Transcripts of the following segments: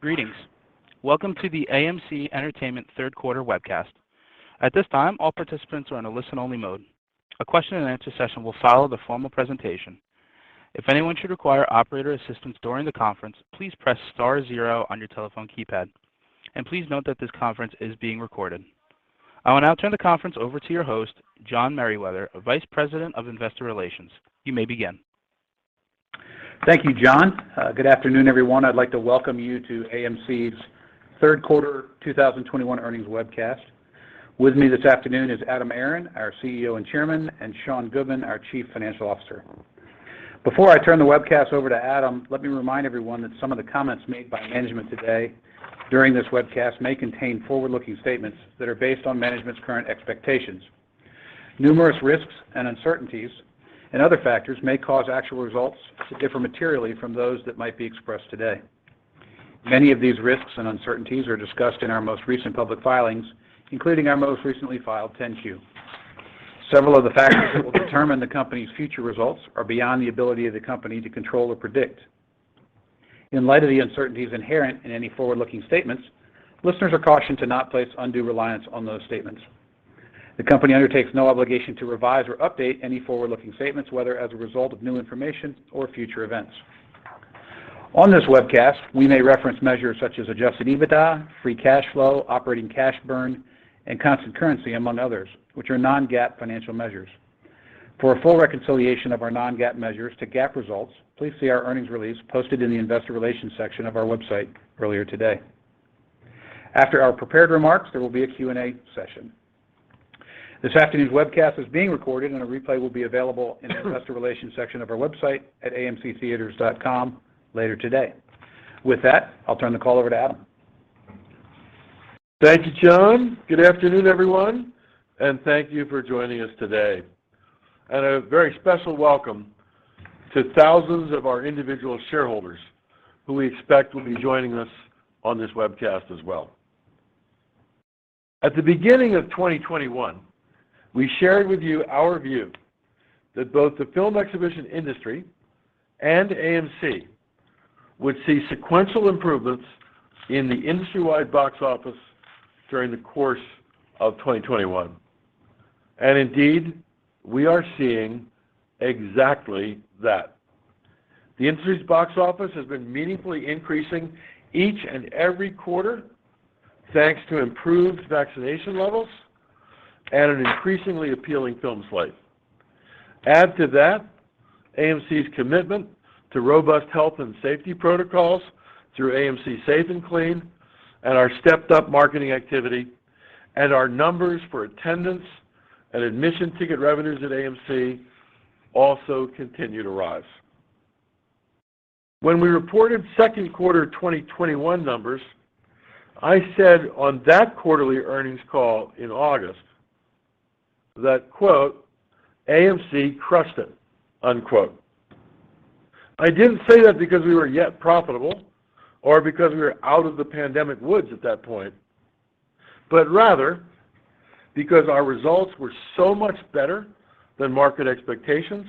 Greetings. Welcome to the AMC Entertainment third quarter webcast. At this time, all participants are in a listen-only mode. A question-and-answer session will follow the formal presentation. If anyone should require operator assistance during the conference, please press star zero on your telephone keypad. Please note that this conference is being recorded. I will now turn the conference over to your host, John Merriwether, Vice President of Investor Relations. You may begin. Thank you, John. Good afternoon, everyone. I'd like to welcome you to AMC's third quarter 2021 earnings webcast. With me this afternoon is Adam Aron, our CEO and Chairman, and Sean Goodman, our Chief Financial Officer. Before I turn the webcast over to Adam, let me remind everyone that some of the comments made by management today during this webcast may contain forward-looking statements that are based on management's current expectations. Numerous risks and uncertainties and other factors may cause actual results to differ materially from those that might be expressed today. Many of these risks and uncertainties are discussed in our most recent public filings, including our most recently filed 10-Q. Several of the factors that will determine the company's future results are beyond the ability of the company to control or predict. In light of the uncertainties inherent in any forward-looking statements, listeners are cautioned to not place undue reliance on those statements. The company undertakes no obligation to revise or update any forward-looking statements, whether as a result of new information or future events. On this webcast, we may reference measures such as adjusted EBITDA, free cash flow, operating cash burn, and constant currency, among others, which are non-GAAP financial measures. For a full reconciliation of our non-GAAP measures to GAAP results, please see our earnings release posted in the investor relations section of our website earlier today. After our prepared remarks, there will be a Q&A session. This afternoon's webcast is being recorded and a replay will be available in the investor relations section of our website at amctheatres.com later today. With that, I'll turn the call over to Adam. Thank you, John. Good afternoon, everyone, and thank you for joining us today. A very special welcome to thousands of our individual shareholders who we expect will be joining us on this webcast as well. At the beginning of 2021, we shared with you our view that both the film exhibition industry and AMC would see sequential improvements in the industry-wide box office during the course of 2021. Indeed, we are seeing exactly that. The industry's box office has been meaningfully increasing each and every quarter thanks to improved vaccination levels and an increasingly appealing film slate. Add to that AMC's commitment to robust health and safety protocols through AMC Safe & Clean and our stepped-up marketing activity and our numbers for attendance and admission ticket revenues at AMC also continue to rise. When we reported Q2 2021 numbers, I said on that quarterly earnings call in August that, quote, "AMC crushed it." Unquote. I didn't say that because we were yet profitable or because we were out of the pandemic woods at that point, but rather because our results were so much better than market expectations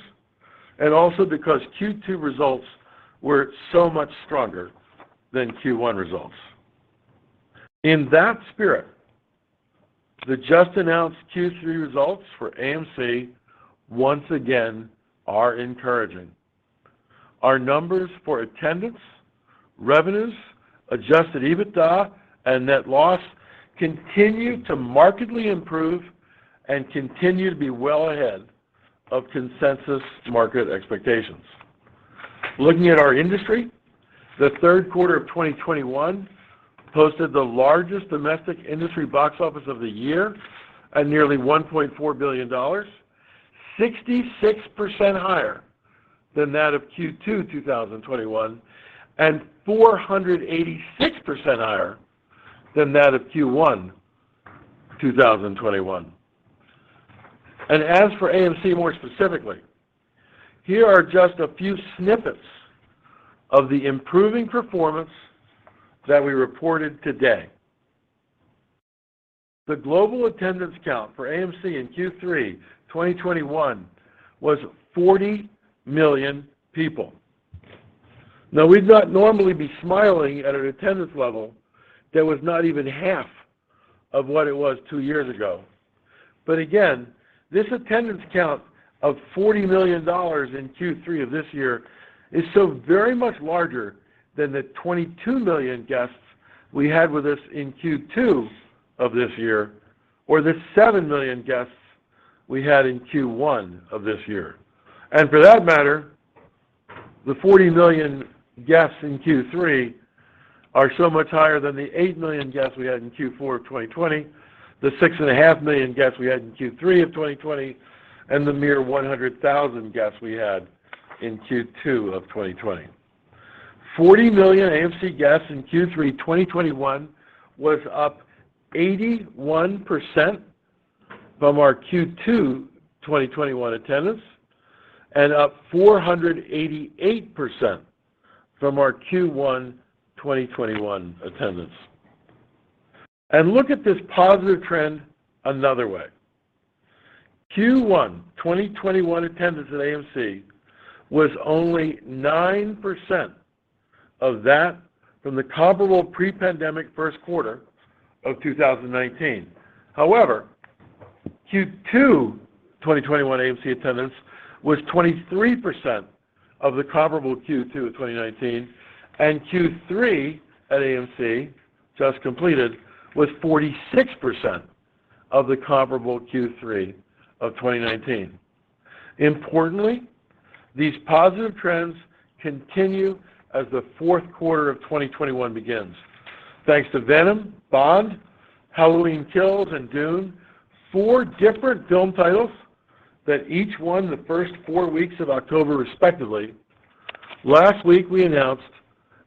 and also because Q2 results were so much stronger than Q1 results. In that spirit, the just-announced Q3 results for AMC once again are encouraging. Our numbers for attendance, revenues, adjusted EBITDA and net loss continue to markedly improve and continue to be well ahead of consensus market expectations. Looking at our industry, the third quarter of 2021 posted the largest domestic industry box office of the year at nearly $1.4 billion, 66% higher than that of Q2 2021 and 486% higher than that of Q1 2021. As for AMC more specifically, here are just a few snippets of the improving performance that we reported today. The global attendance count for AMC in Q3 2021 was 40 million people. Now, we'd not normally be smiling at an attendance level that was not even half of what it was two years ago. This attendance count of 40 million guests in Q3 of this year is so very much larger than the 22 million guests we had with us in Q2 of this year or the 7 million guests we had in Q1 of this year. For that matter, the 40 million guests in Q3 are so much higher than the 8 million guests we had in Q4 of 2020, the 6.5 million guests we had in Q3 of 2020, and the mere 100,000 guests we had in Q2 of 2020. 40 million AMC guests in Q3 2021 was up 81% from our Q2 2021 attendance and up 488% from our Q1 2021 attendance. Look at this positive trend another way. Q1 2021 attendance at AMC was only 9% of that from the comparable pre-pandemic first quarter of 2019. However, Q2 2021 AMC attendance was 23% of the comparable Q2 of 2019, and Q3 at AMC, just completed, was 46% of the comparable Q3 of 2019. Importantly, these positive trends continue as the fourth quarter of 2021 begins. Thanks to Venom, Bond, Halloween Kills, and Dune, four different film titles that each won the first four weeks of October respectively. Last week we announced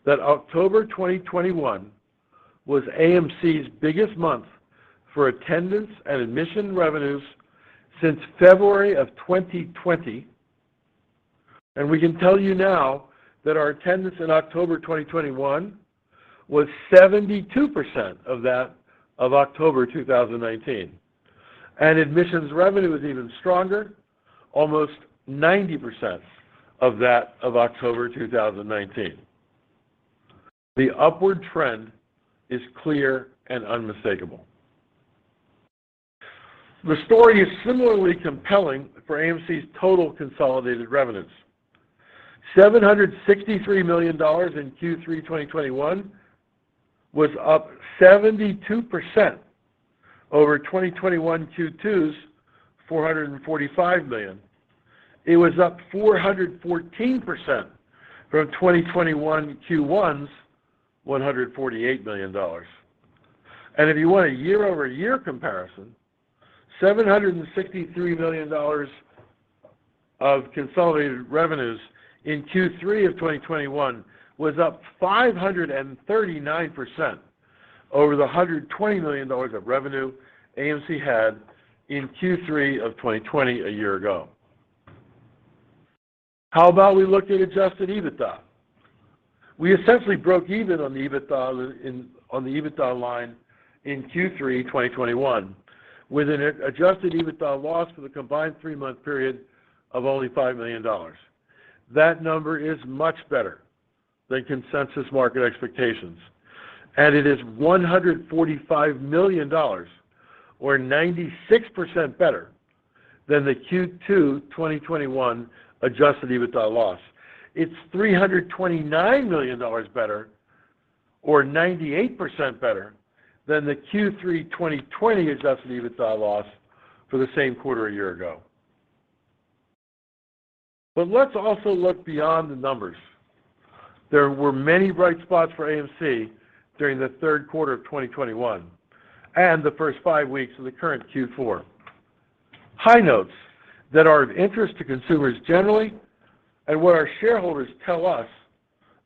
that October 2021 was AMC's biggest month for attendance and admission revenues since February of 2020. We can tell you now that our attendance in October 2021 was 72% of that of October 2019. Admissions revenue was even stronger, almost 90% of that of October 2019. The upward trend is clear and unmistakable. The story is similarly compelling for AMC's total consolidated revenues. $763 million in Q3 2021 was up 72% over 2021 Q2's $445 million. It was up 414% from 2021 Q1's $148 million. If you want a year-over-year comparison, $763 million of consolidated revenues in Q3 of 2021 was up 539% over the $120 million of revenue AMC had in Q3 of 2020 a year ago. How about we look at adjusted EBITDA? We essentially broke even on the EBITDA on the EBITDA line in Q3 2021 with an adjusted EBITDA loss for the combined three-month period of only $5 million. That number is much better than consensus market expectations, and it is $145 million or 96% better than the Q2 2021 adjusted EBITDA loss. It's $329 million better or 98% better than the Q3 2020 adjusted EBITDA loss for the same quarter a year ago. Let's also look beyond the numbers. There were many bright spots for AMC during the third quarter of 2021 and the first five weeks of the current Q4. High notes that are of interest to consumers generally and what our shareholders tell us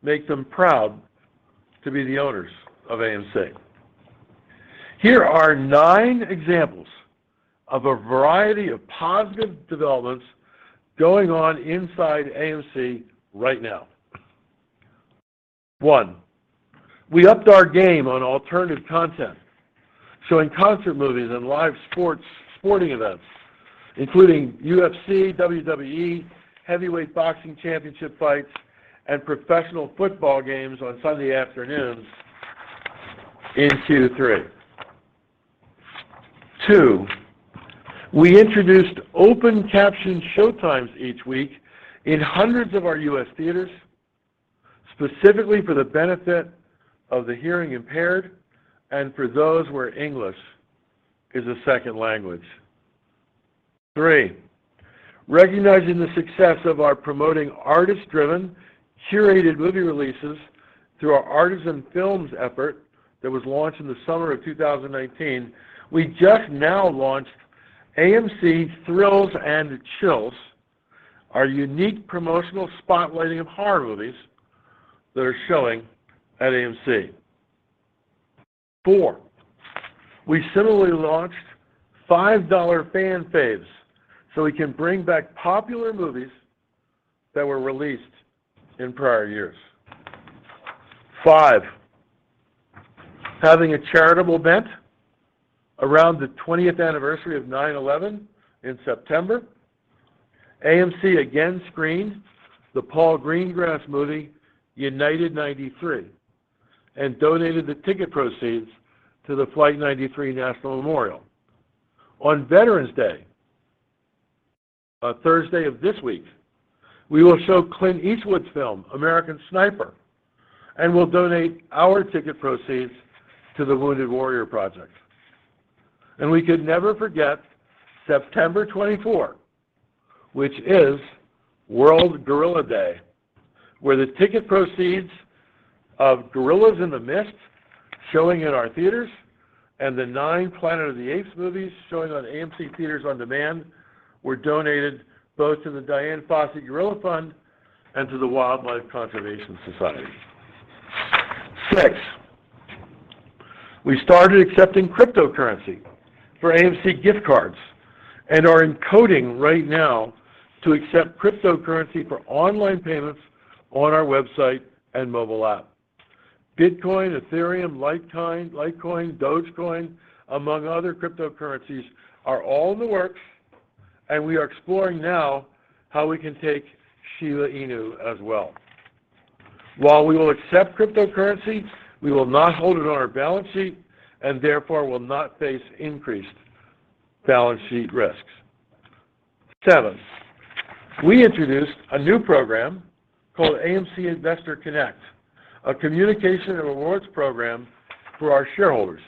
make them proud to be the owners of AMC. Here are nine examples of a variety of positive developments going on inside AMC right now. One, we upped our game on alternative content, showing concert movies and live sports, sporting events, including UFC, WWE, heavyweight boxing championship fights, and professional football games on Sunday afternoons in Q3. Two, we introduced open caption showtimes each week in hundreds of our U.S. theaters, specifically for the benefit of the hearing impaired and for those where English is a second language. Three, recognizing the success of our promoting artist-driven, curated movie releases through our Artisan Films effort that was launched in the summer of 2019, we just now launched AMC Thrills and Chills, our unique promotional spotlighting of horror movies that are showing at AMC. Four, we similarly launched $5 Fan Faves so we can bring back popular movies that were released in prior years. Five, having a charitable event around the 20th anniversary of 9/11 in September, AMC again screened the Paul Greengrass movie, United 93, and donated the ticket proceeds to the Flight 93 National Memorial. On Veterans Day, Thursday of this week, we will show Clint Eastwood's film, American Sniper, and we'll donate our ticket proceeds to the Wounded Warrior Project. We could never forget September 24, which is World Gorilla Day, where the ticket proceeds of Gorillas in the Mist showing in our theaters and the 9 Planet of the Apes movies showing on AMC Theatres On Demand were donated both to the Dian Fossey Gorilla Fund and to the Wildlife Conservation Society. Six, we started accepting cryptocurrency for AMC gift cards and are coding right now to accept cryptocurrency for online payments on our website and mobile app. Bitcoin, Ethereum, Litecoin, Dogecoin, among other cryptocurrencies, are all in the works, and we are exploring now how we can take Shiba Inu as well. While we will accept cryptocurrency, we will not hold it on our balance sheet and therefore will not face increased balance sheet risks. Seven, we introduced a new program called AMC Investor Connect, a communication and rewards program for our shareholders.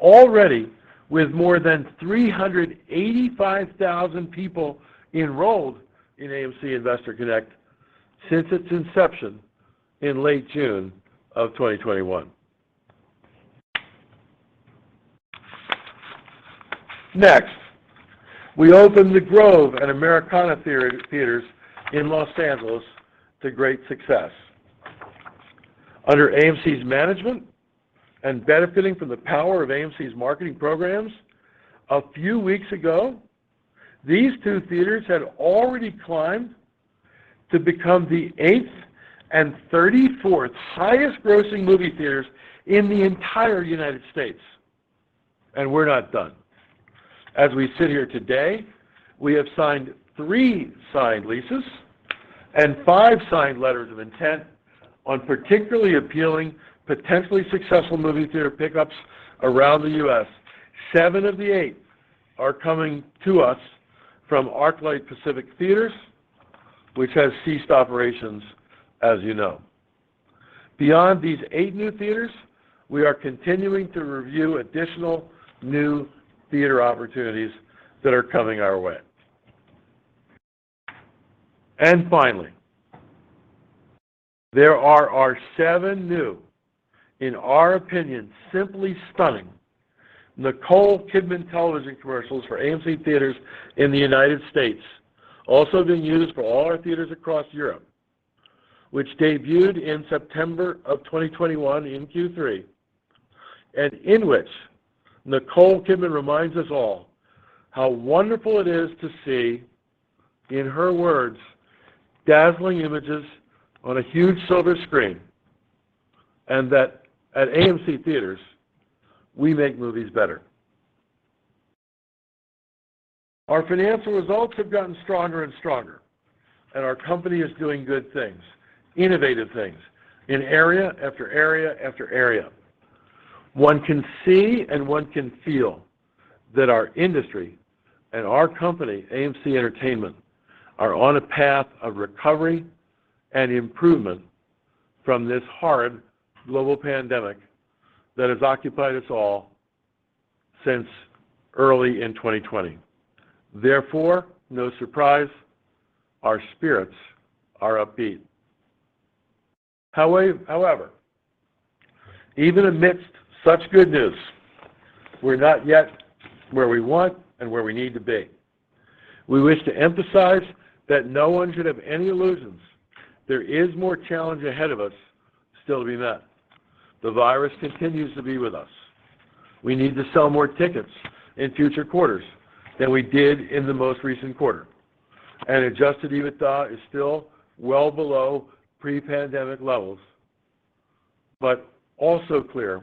Already with more than 385,000 people enrolled in AMC Investor Connect since its inception in late June of 2021. Next, we opened The Grove and Americana Theaters in Los Angeles to great success. Under AMC's management and benefiting from the power of AMC's marketing programs, a few weeks ago, these two theaters had already climbed to become the 8th and 34th highest-grossing movie theaters in the entire United States, and we're not done. As we sit here today, we have signed three leases and five signed letters of intent on particularly appealing, potentially successful movie theater pickups around the U.S. Seven of the eight are coming to us from ArcLight Cinemas and Pacific Theatres, which has ceased operations, as you know. Beyond these eight new theaters, we are continuing to review additional new theater opportunities that are coming our way. Finally, there are our seven new, in our opinion, simply stunning Nicole Kidman television commercials for AMC Theatres in the United States, also being used for all our theaters across Europe, which debuted in September 2021 in Q3, and in which Nicole Kidman reminds us all how wonderful it is to see, in her words, dazzling images on a huge silver screen, and that at AMC Theatres, we make movies better. Our financial results have gotten stronger and stronger, and our company is doing good things, innovative things in area after area after area. One can see and one can feel that our industry and our company, AMC Entertainment, are on a path of recovery and improvement from this hard global pandemic that has occupied us all since early in 2020. Therefore, no surprise, our spirits are upbeat. However, even amidst such good news, we're not yet where we want and where we need to be. We wish to emphasize that no one should have any illusions. There is more challenge ahead of us still to be met. The virus continues to be with us. We need to sell more tickets in future quarters than we did in the most recent quarter. Adjusted EBITDA is still well below pre-pandemic levels, but it's also clear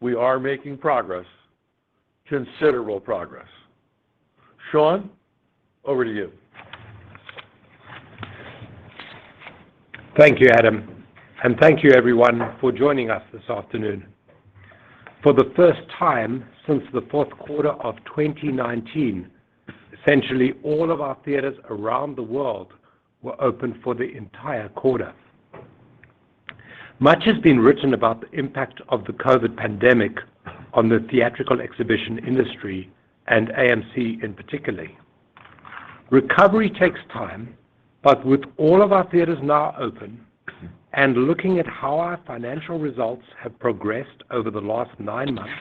we are making progress, considerable progress. Sean, over to you. Thank you, Adam, and thank you, everyone, for joining us this afternoon. For the first time since the fourth quarter of 2019, essentially all of our theaters around the world were open for the entire quarter. Much has been written about the impact of the COVID pandemic on the theatrical exhibition industry and AMC in particular. Recovery takes time, but with all of our theaters now open and looking at how our financial results have progressed over the last nine months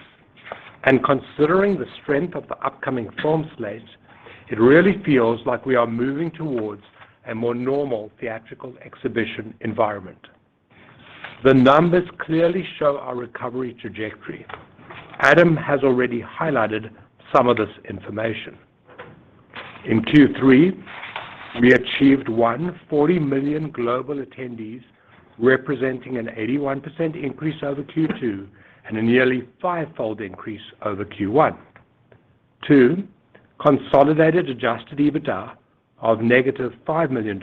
and considering the strength of the upcoming film slate, it really feels like we are moving towards a more normal theatrical exhibition environment. The numbers clearly show our recovery trajectory. Adam has already highlighted some of this information. In Q3, we achieved 40 million global attendees representing an 81% increase over Q2 and a nearly five-fold increase over Q1. Two, consolidated adjusted EBITDA of -$5 million,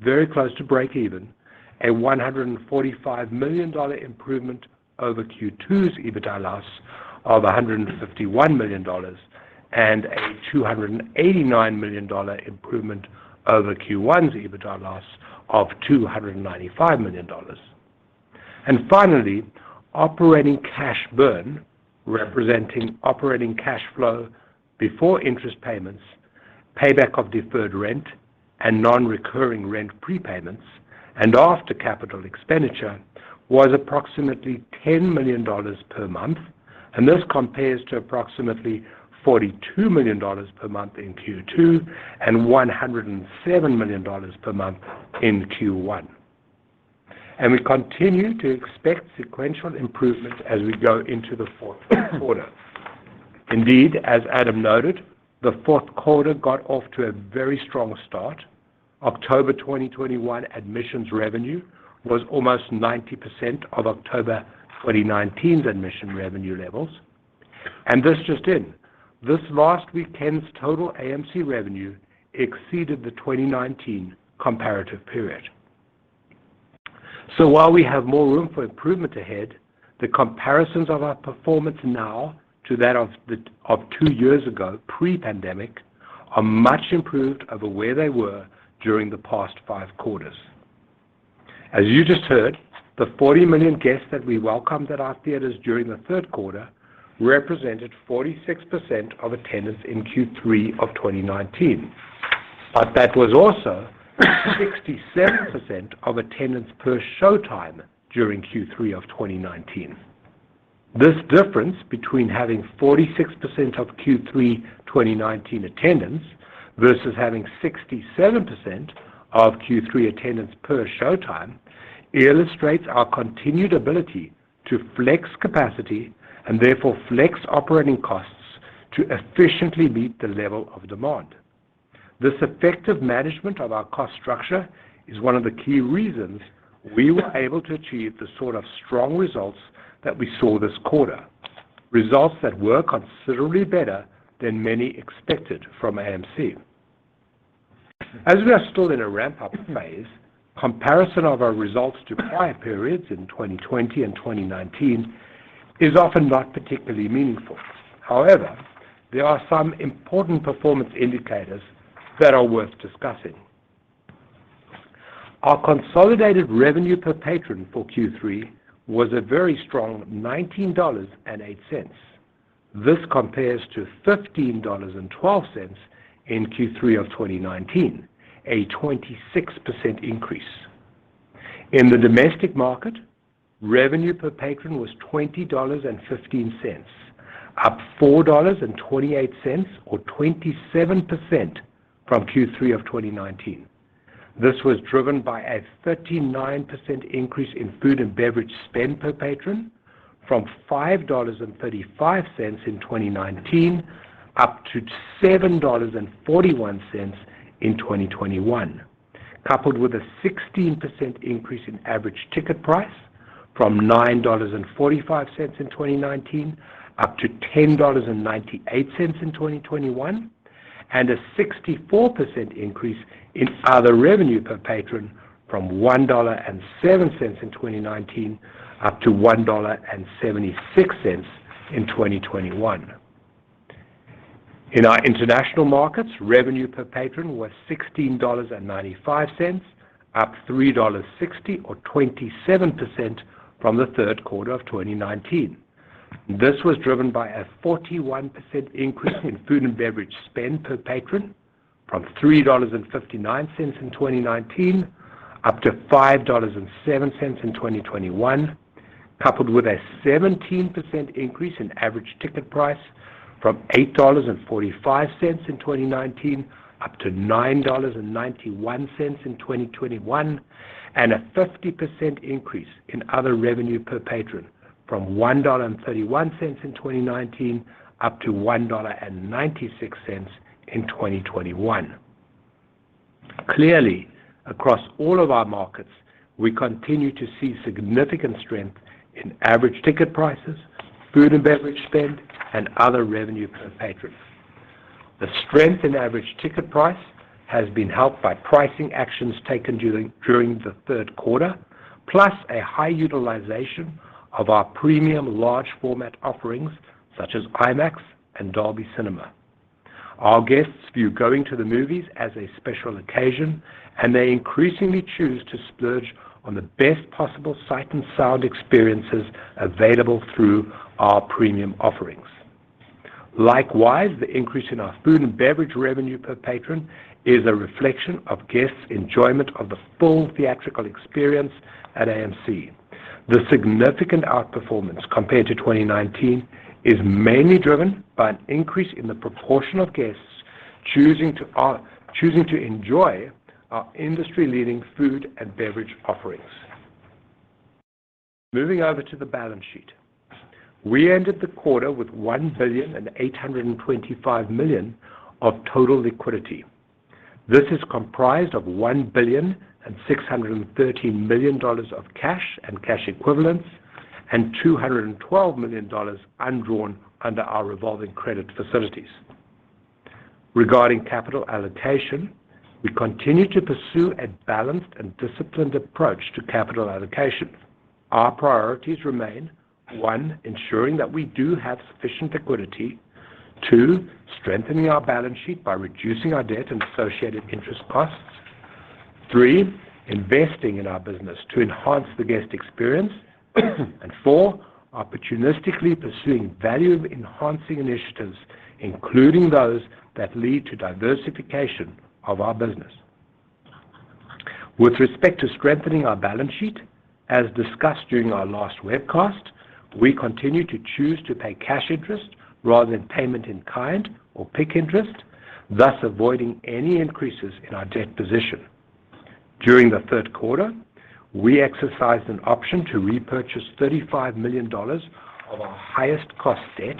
very close to breakeven, a $145 million improvement over Q2's EBITDA loss of $151 million and a $289 million improvement over Q1's EBITDA loss of $295 million. Finally, operating cash burn, representing operating cash flow before interest payments, payback of deferred rent, and non-recurring rent prepayments, and after capital expenditure, was approximately $10 million per month. This compares to approximately $42 million per month in Q2 and $107 million per month in Q1. We continue to expect sequential improvements as we go into the fourth quarter. Indeed, as Adam noted, the fourth quarter got off to a very strong start. October 2021 admissions revenue was almost 90% of October 2019's admission revenue levels. This just in, this last weekend's total AMC revenue exceeded the 2019 comparative period. While we have more room for improvement ahead, the comparisons of our performance now to that of two years ago pre-pandemic are much improved over where they were during the past five quarters. As you just heard, the 40 million guests that we welcomed at our theaters during the third quarter represented 46% of attendance in Q3 of 2019. That was also 67% of attendance per show time during Q3 of 2019. This difference between having 46% of Q3 2019 attendance versus having 67% of Q3 attendance per show time illustrates our continued ability to flex capacity and therefore flex operating costs to efficiently meet the level of demand. This effective management of our cost structure is one of the key reasons we were able to achieve the sort of strong results that we saw this quarter, results that were considerably better than many expected from AMC. As we are still in a ramp-up phase, comparison of our results to prior periods in 2020 and 2019 is often not particularly meaningful. However, there are some important performance indicators that are worth discussing. Our consolidated revenue per patron for Q3 was a very strong $19.08. This compares to $15.12 in Q3 of 2019, a 26% increase. In the domestic market, revenue per patron was $20.15, up $4.28 or 27% from Q3 of 2019. This was driven by a 39% increase in food and beverage spend per patron from $5.35 in 2019 up to $7.41 in 2021, coupled with a 16% increase in average ticket price from $9.45 in 2019 up to $10.98 in 2021, and a 64% increase in other revenue per patron from $1.07 in 2019 up to $1.76 in 2021. In our international markets, revenue per patron was $16.95, up $3.60 or 27% from the third quarter of 2019. This was driven by a 41% increase in food and beverage spend per patron from $3.59 in 2019 up to $5.07 in 2021, coupled with a 17% increase in average ticket price from $8.45 in 2019 up to $9.91 in 2021, and a 50% increase in other revenue per patron from $1.31 in 2019 up to $1.96 in 2021. Clearly, across all of our markets, we continue to see significant strength in average ticket prices, food and beverage spend, and other revenue per patron. The strength in average ticket price has been helped by pricing actions taken during the third quarter, plus a high utilization of our premium large format offerings such as IMAX and Dolby Cinema. Our guests view going to the movies as a special occasion, and they increasingly choose to splurge on the best possible sight and sound experiences available through our premium offerings. Likewise, the increase in our food and beverage revenue per patron is a reflection of guests' enjoyment of the full theatrical experience at AMC. The significant outperformance compared to 2019 is mainly driven by an increase in the proportion of guests choosing to enjoy our industry-leading food and beverage offerings. Moving over to the balance sheet. We ended the quarter with $1.825 billion of total liquidity. This is comprised of $1 billion and $613 million of cash and cash equivalents and $212 million undrawn under our revolving credit facilities. Regarding capital allocation, we continue to pursue a balanced and disciplined approach to capital allocation. Our priorities remain. One, ensuring that we do have sufficient liquidity. Two, strengthening our balance sheet by reducing our debt and associated interest costs. Three, investing in our business to enhance the guest experience. Four, opportunistically pursuing value-enhancing initiatives, including those that lead to diversification of our business. With respect to strengthening our balance sheet, as discussed during our last webcast. We continue to choose to pay cash interest rather than payment in kind or pick interest, thus avoiding any increases in our debt position. During the third quarter, we exercised an option to repurchase $35 million of our highest cost debt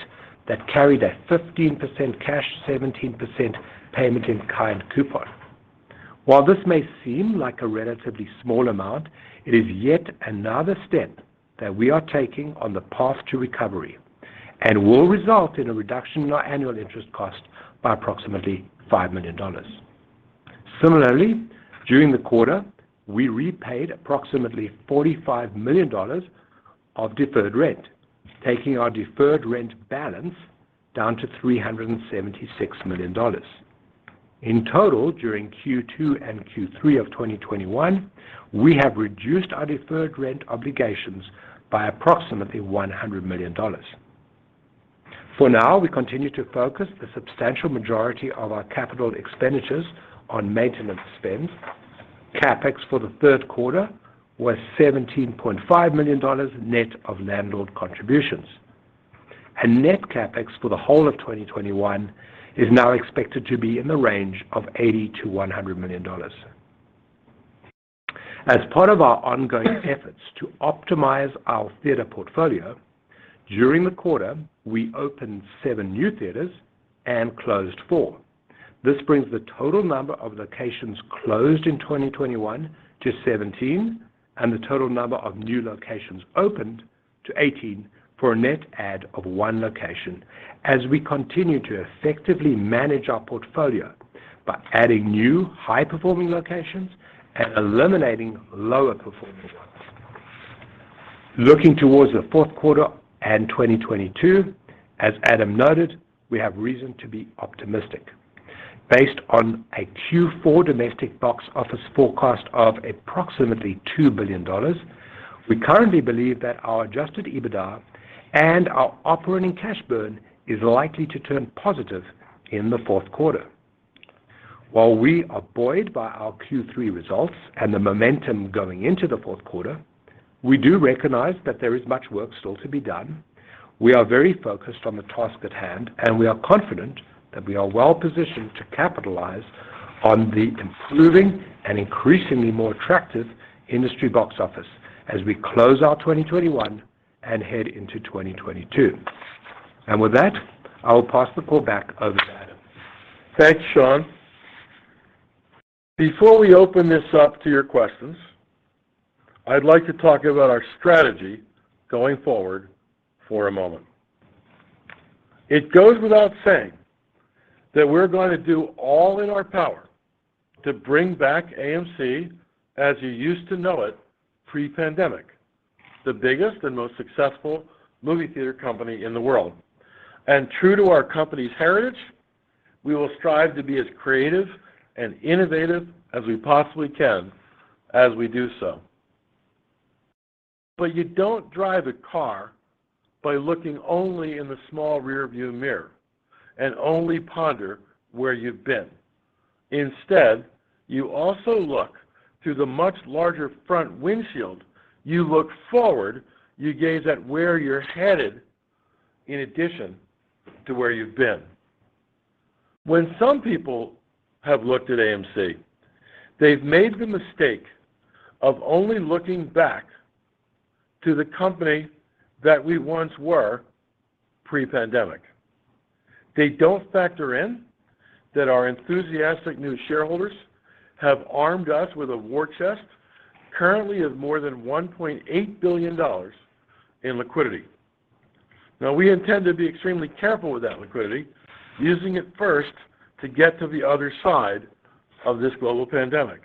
that carried a 15% cash, 17% payment in kind coupon. While this may seem like a relatively small amount, it is yet another step that we are taking on the path to recovery and will result in a reduction in our annual interest cost by approximately $5 million. Similarly, during the quarter, we repaid approximately $45 million of deferred rent, taking our deferred rent balance down to $376 million. In total, during Q2 and Q3 of 2021, we have reduced our deferred rent obligations by approximately $100 million. For now, we continue to focus the substantial majority of our capital expenditures on maintenance spend. CapEx for the third quarter was $17.5 million net of landlord contributions. Net CapEx for the whole of 2021 is now expected to be in the range of $80 million-$100 million. As part of our ongoing efforts to optimize our theater portfolio, during the quarter, we opened seven new theaters and closed four. This brings the total number of locations closed in 2021 to 17 and the total number of new locations opened to 18 for a net add of one location as we continue to effectively manage our portfolio by adding new high-performing locations and eliminating lower performing ones. Looking towards the fourth quarter and 2022, as Adam noted, we have reason to be optimistic. Based on a Q4 domestic box office forecast of approximately $2 billion, we currently believe that our adjusted EBITDA and our operating cash burn is likely to turn positive in the fourth quarter. While we are buoyed by our Q3 results and the momentum going into the fourth quarter, we do recognize that there is much work still to be done. We are very focused on the task at hand, and we are confident that we are well-positioned to capitalize on the improving and increasingly more attractive industry box office as we close out 2021 and head into 2022. With that, I will pass the call back over to Adam. Thanks, Sean. Before we open this up to your questions, I'd like to talk about our strategy going forward for a moment. It goes without saying that we're going to do all in our power to bring back AMC as you used to know it pre-pandemic, the biggest and most successful movie theater company in the world. True to our company's heritage, we will strive to be as creative and innovative as we possibly can as we do so. You don't drive a car by looking only in the small rearview mirror and only ponder where you've been. Instead, you also look through the much larger front windshield. You look forward, you gaze at where you're headed in addition to where you've been. When some people have looked at AMC, they've made the mistake of only looking back to the company that we once were pre-pandemic. They don't factor in that our enthusiastic new shareholders have armed us with a war chest currently of more than $1.8 billion in liquidity. Now we intend to be extremely careful with that liquidity, using it first to get to the other side of this global pandemic.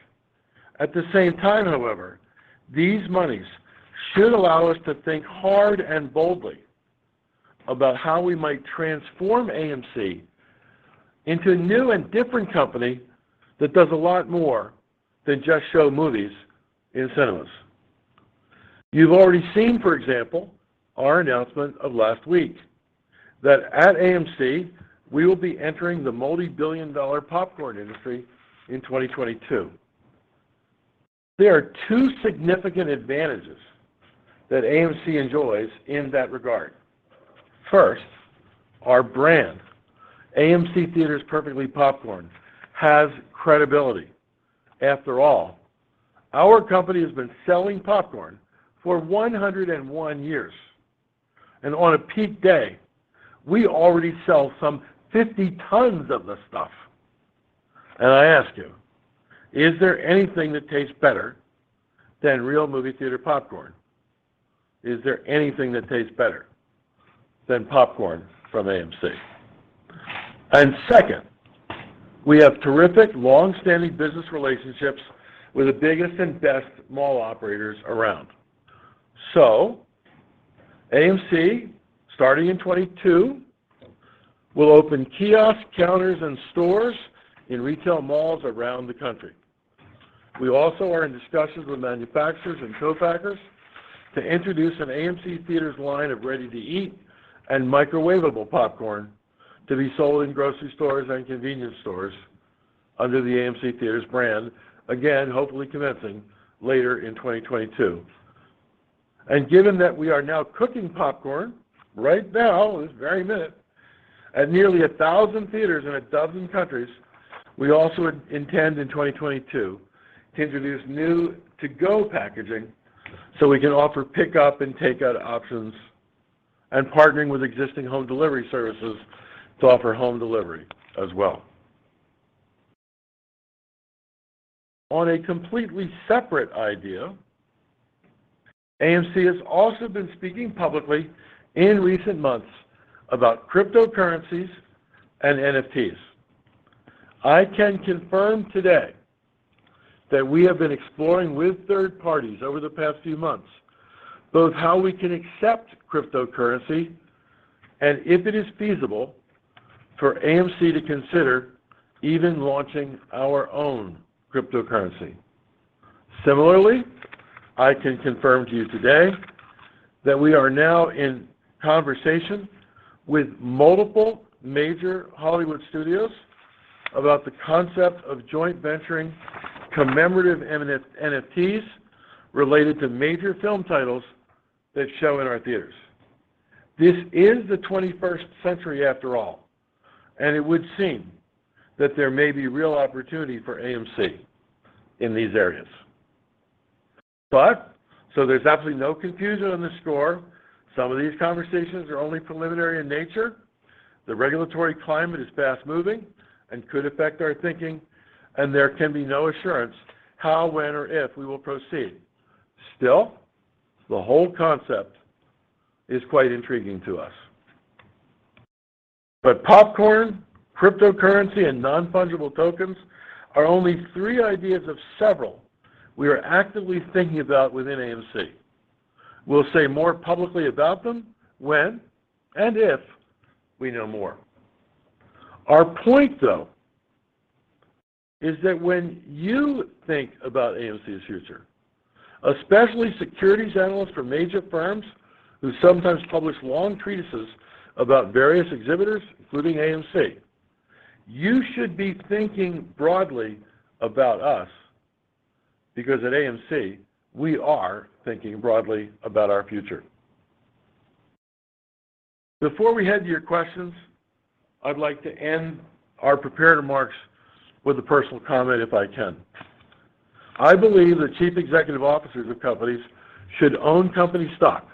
At the same time, however, these monies should allow us to think hard and boldly about how we might transform AMC into a new and different company that does a lot more than just show movies in cinemas. You've already seen, for example, our announcement of last week that at AMC, we will be entering the multi-billion dollar popcorn industry in 2022. There are two significant advantages that AMC enjoys in that regard. First, our brand, AMC Theatres Perfectly Popcorn, has credibility. After all, our company has been selling popcorn for 101 years. On a peak day, we already sell some 50 tons of the stuff. I ask you, is there anything that tastes better than real movie theater popcorn? Is there anything that tastes better than popcorn from AMC? Second, we have terrific long-standing business relationships with the biggest and best mall operators around. AMC, starting in 2022, will open kiosks, counters, and stores in retail malls around the country. We also are in discussions with manufacturers and co-packers to introduce an AMC Theatres line of ready-to-eat and microwavable popcorn to be sold in grocery stores and convenience stores under the AMC Theatres brand, again, hopefully commencing later in 2022. Given that we are now cooking popcorn right now, this very minute, at nearly 1,000 theaters in a dozen countries, we also intend in 2022 to introduce new to-go packaging so we can offer pickup and takeout options and partnering with existing home delivery services to offer home delivery as well. On a completely separate idea, AMC has also been speaking publicly in recent months about cryptocurrencies and NFTs. I can confirm today that we have been exploring with third parties over the past few months both how we can accept cryptocurrency and if it is feasible for AMC to consider even launching our own cryptocurrency. Similarly, I can confirm to you today that we are now in conversation with multiple major Hollywood studios about the concept of joint venturing commemorative NFTs related to major film titles that show in our theaters. This is the twenty-first century after all, and it would seem that there may be real opportunity for AMC in these areas. There's absolutely no confusion on this score. Some of these conversations are only preliminary in nature. The regulatory climate is fast-moving and could affect our thinking, and there can be no assurance how, when, or if we will proceed. Still, the whole concept is quite intriguing to us. Popcorn, cryptocurrency, and non-fungible tokens are only three ideas of several we are actively thinking about within AMC. We'll say more publicly about them when and if we know more. Our point, though, is that when you think about AMC's future, especially securities analysts from major firms who sometimes publish long treatises about various exhibitors, including AMC, you should be thinking broadly about us because at AMC we are thinking broadly about our future. Before we head to your questions, I'd like to end our prepared remarks with a personal comment if I can. I believe that Chief Executive Officers of companies should own company stock,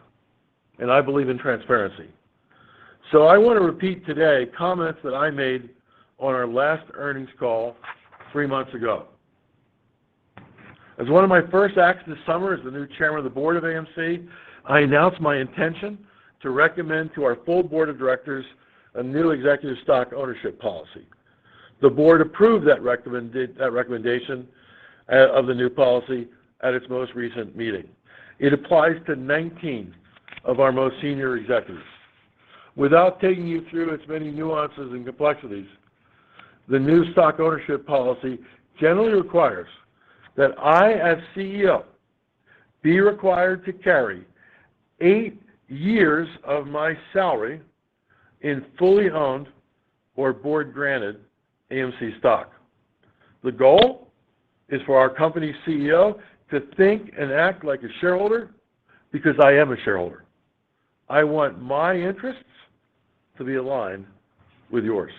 and I believe in transparency. I want to repeat today comments that I made on our last earnings call three months ago. As one of my first acts this summer as the new Chairman of the Board of AMC, I announced my intention to recommend to our full Board of Directors a new Executive stock ownership policy. The Board approved that recommendation of the new policy at its most recent meeting. It applies to 19 of our most Senior Executives. Without taking you through its many nuances and complexities, the new stock ownership policy generally requires that I as CEO be required to carry eight years of my salary in fully owned or Board-granted AMC stock. The goal is for our company CEO to think and act like a shareholder because I am a shareholder. I want my interests to be aligned with yours.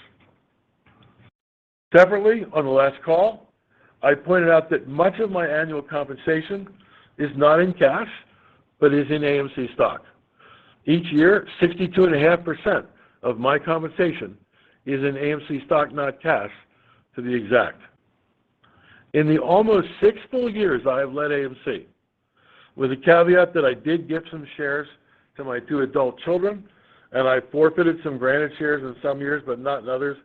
Separately, on the last call, I pointed out that much of my annual compensation is not in cash, but is in AMC stock. Each year, 62.5% of my compensation is in AMC stock, not cash, to be exact. In the almost six full years I have led AMC, with the caveat that I did gift some shares to my two adult children and I forfeited some granted shares in some years but not in others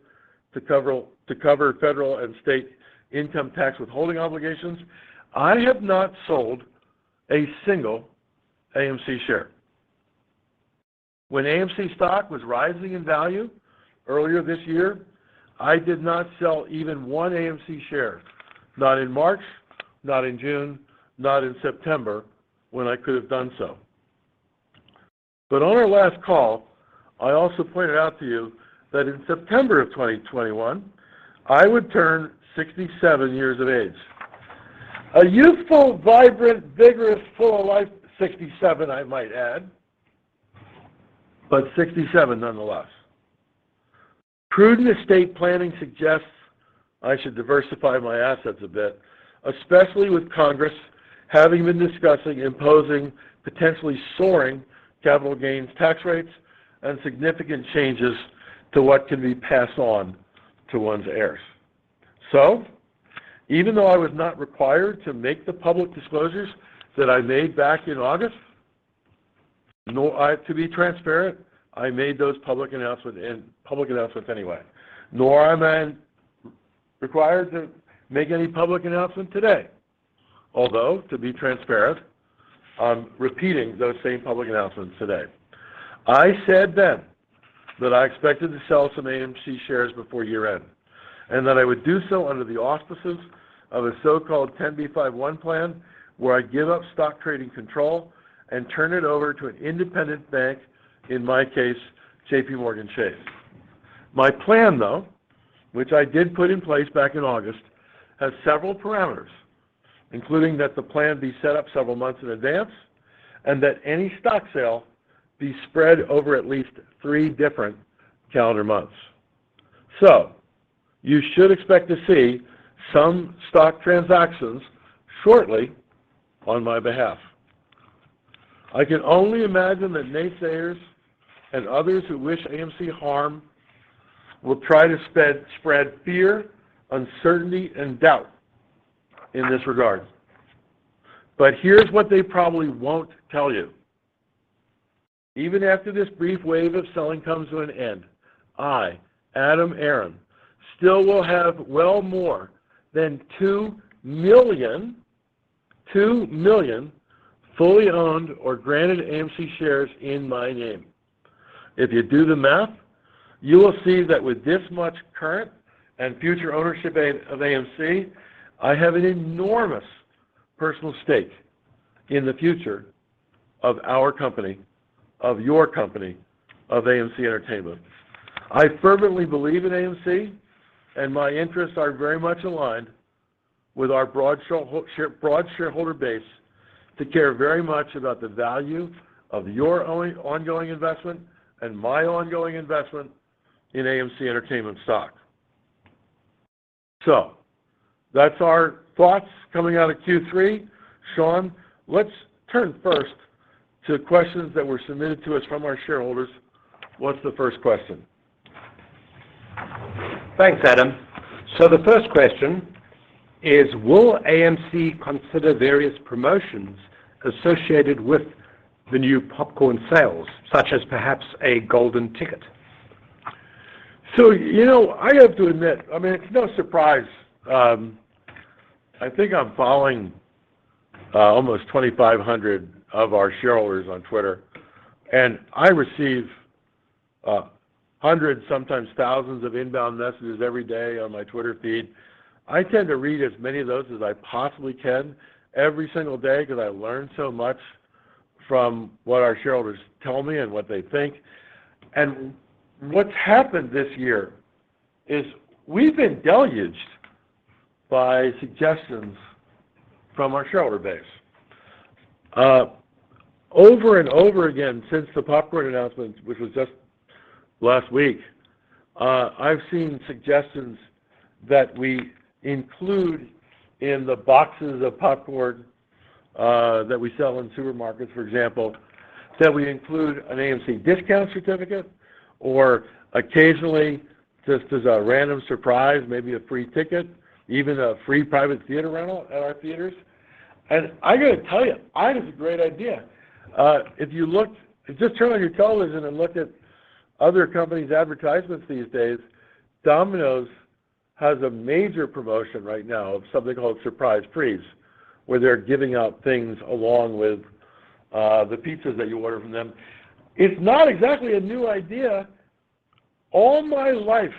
to cover federal and state income tax withholding obligations, I have not sold a single AMC share. When AMC stock was rising in value earlier this year, I did not sell even one AMC share, not in March, not in June, not in September when I could have done so. On our last call, I also pointed out to you that in September of 2021, I would turn 67 years of age. A youthful, vibrant, vigorous, full of life 67, I might add, but 67 nonetheless. Prudent estate planning suggests I should diversify my assets a bit, especially with Congress having been discussing imposing potentially soaring capital gains tax rates and significant changes to what can be passed on to one's heirs. Even though I was not required to make the public disclosures that I made back in August, nor, to be transparent, I made those public announcements anyway. Nor am I required to make any public announcement today, although, to be transparent, I'm repeating those same public announcements today. I said then that I expected to sell some AMC shares before year-end and that I would do so under the auspices of a so-called 10b5-1 plan where I give up stock trading control and turn it over to an independent bank, in my case, JPMorgan Chase. My plan though, which I did put in place back in August, has several parameters, including that the plan be set up several months in advance and that any stock sale be spread over at least three different calendar months. You should expect to see some stock transactions shortly on my behalf. I can only imagine that naysayers and others who wish AMC harm will try to spread fear, uncertainty, and doubt in this regard. Here's what they probably won't tell you. Even after this brief wave of selling comes to an end, I, Adam Aron, still will have well more than 2 million fully owned or granted AMC shares in my name. If you do the math, you will see that with this much current and future ownership of AMC, I have an enormous personal stake in the future of our company, of your company, of AMC Entertainment. I fervently believe in AMC, and my interests are very much aligned with our broad shareholder base to care very much about the value of your ongoing investment and my ongoing investment in AMC Entertainment stock. That's our thoughts coming out of Q3. Sean, let's turn first to questions that were submitted to us from our shareholders. What's the first question? Thanks, Adam. The first question is, will AMC consider various promotions associated with the new popcorn sales, such as perhaps a golden ticket? You know, I have to admit it's no surprise. I think I'm following almost 2,500 of our shareholders on Twitter, and I receive hundreds, sometimes thousands of inbound messages every day on my Twitter feed. I tend to read as many of those as I possibly can every single day because I learn so much from what our shareholders tell me and what they think. What's happened this year is we've been deluged by suggestions from our shareholder base. Over and over again since the popcorn announcement, which was just last week, I've seen suggestions that we include in the boxes of popcorn that we sell in supermarkets, for example, that we include an AMC discount certificate or occasionally just as a random surprise, maybe a free ticket, even a free private theater rental at our theaters. I gotta tell you, I think it's a great idea. If you just turn on your television and look at other companies' advertisements these days, Domino's has a major promotion right now of something called Surprise Frees, where they're giving out things along with the pizzas that you order from them. It's not exactly a new idea. All my life,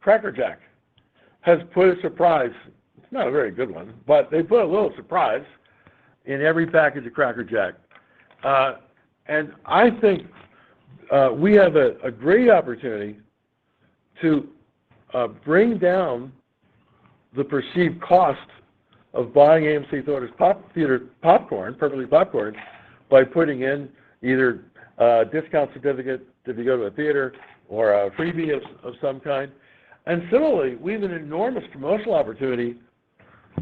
Cracker Jack has put a surprise. It's not a very good one, but they put a little surprise in every package of Cracker Jack. I think we have a great opportunity to bring down the perceived cost of buying AMC Theatres popcorn, theater popcorn, Perfectly Popcorn, by putting in either a discount certificate to go to a theater or a freebie of some kind. Similarly, we have an enormous promotional opportunity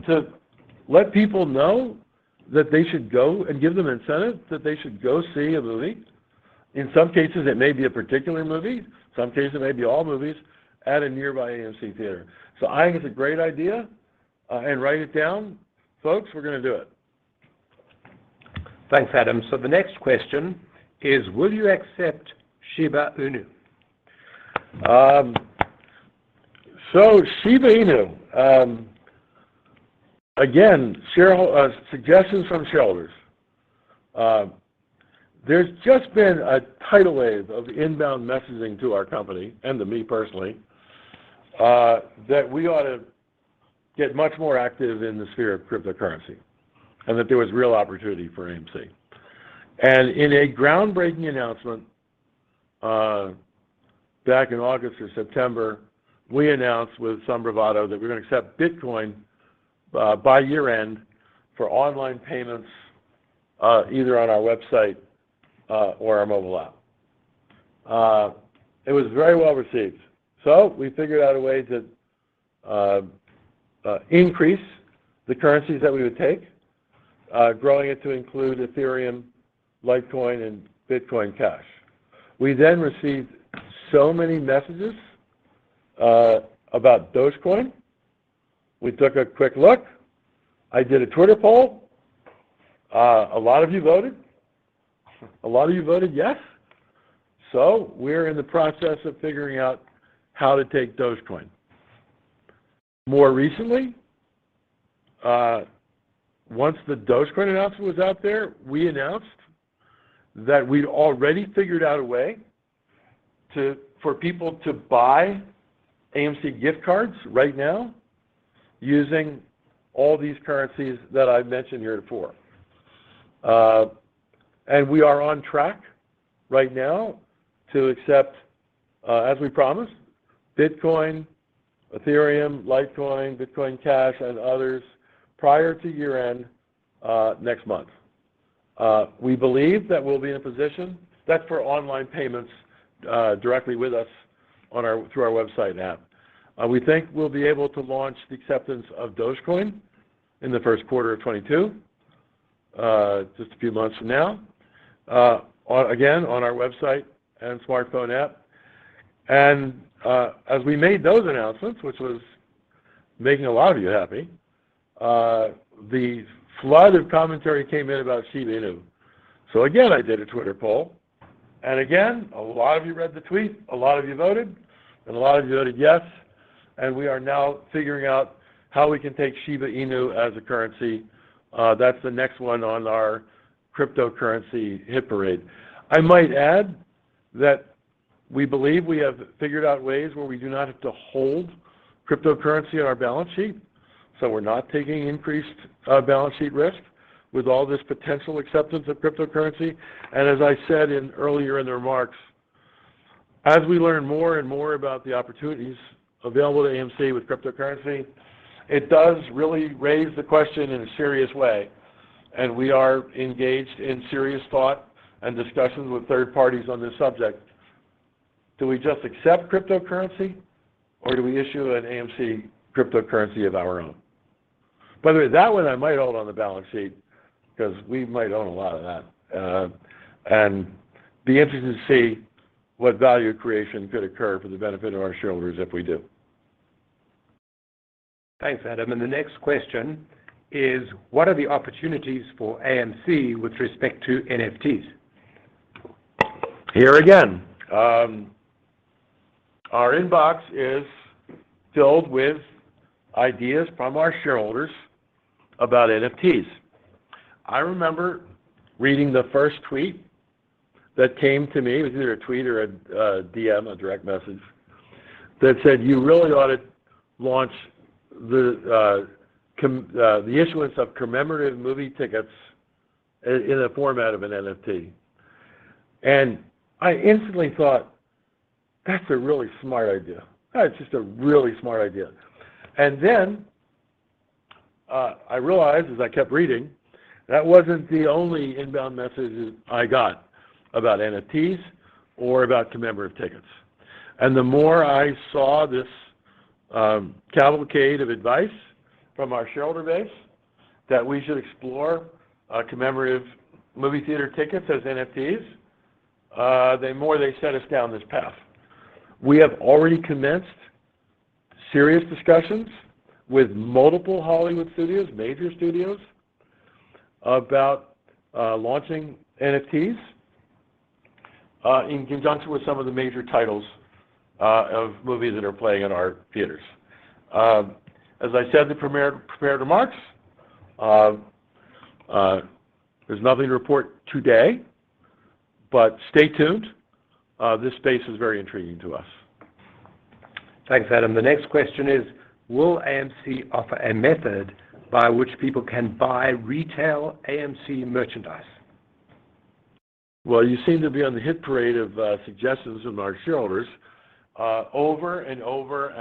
to let people know that they should go and give them incentive that they should go see a movie. In some cases, it may be a particular movie. Some cases, it may be all movies at a nearby AMC theater. I think it's a great idea, and write it down. Folks, we're gonna do it. Thanks, Adam. The next question is, will you accept Shiba Inu? Shiba Inu. Again, suggestions from shareholders. There's just been a tidal wave of inbound messaging to our company and to me personally, that we ought to get much more active in the sphere of cryptocurrency and that there was real opportunity for AMC. In a groundbreaking announcement, back in August or September, we announced with some bravado that we're gonna accept Bitcoin, by year-end for online payments, either on our website, or our mobile app. It was very well-received. We figured out a way to increase the currencies that we would take, growing it to include Ethereum, Litecoin, and Bitcoin Cash. We then received so many messages about Dogecoin. We took a quick look. I did a Twitter poll. A lot of you voted yes. We're in the process of figuring out how to take Dogecoin. More recently, once the Dogecoin announcement was out there, we announced that we'd already figured out a way to for people to buy AMC gift cards right now using all these currencies that I've mentioned heretofore. We are on track right now to accept, as we promised, Bitcoin, Ethereum, Litecoin, Bitcoin Cash, and others prior to year-end, next month. We believe that we'll be in a position. That's for online payments, directly with us through our website and app. We think we'll be able to launch the acceptance of Dogecoin in the first quarter of 2022, just a few months from now, again, on our website and smartphone app. As we made those announcements, which was making a lot of you happy, the flood of commentary came in about Shiba Inu. Again, I did a Twitter poll, and again, a lot of you read the tweet, a lot of you voted, and a lot of you voted yes, and we are now figuring out how we can take Shiba Inu as a currency. That's the next one on our cryptocurrency hit parade. I might add that we believe we have figured out ways where we do not have to hold cryptocurrency on our balance sheet, so we're not taking increased balance sheet risk with all this potential acceptance of cryptocurrency. As I said earlier in the remarks, as we learn more and more about the opportunities available to AMC with cryptocurrency, it does really raise the question in a serious way, and we are engaged in serious thought and discussions with third parties on this subject. Do we just accept cryptocurrency, or do we issue an AMC cryptocurrency of our own? By the way, that one I might hold on the balance sheet because we might own a lot of that. And be interesting to see what value creation could occur for the benefit of our shareholders if we do. Thanks, Adam, and the next question is, what are the opportunities for AMC with respect to NFTs? Here again, our inbox is filled with ideas from our shareholders about NFTs. I remember reading the first tweet that came to me. It was either a tweet or a DM, a direct message, that said, "You really ought to launch the issuance of commemorative movie tickets in a format of an NFT." I instantly thought, "That's a really smart idea. That's just a really smart idea." I realized as I kept reading, that wasn't the only inbound message I got about NFTs or about commemorative tickets. The more I saw this cavalcade of advice from our shareholder base that we should explore commemorative movie theater tickets as NFTs, the more they sent us down this path. We have already commenced serious discussions with multiple Hollywood studios, major studios, about launching NFTs in conjunction with some of the major titles of movies that are playing in our theaters. As I said in the prepared remarks, there's nothing to report today, but stay tuned. This space is very intriguing to us. Thanks, Adam. The next question is, will AMC offer a method by which people can buy retail AMC merchandise? Well, you seem to be on the hit parade of suggestions from our shareholders. Over and over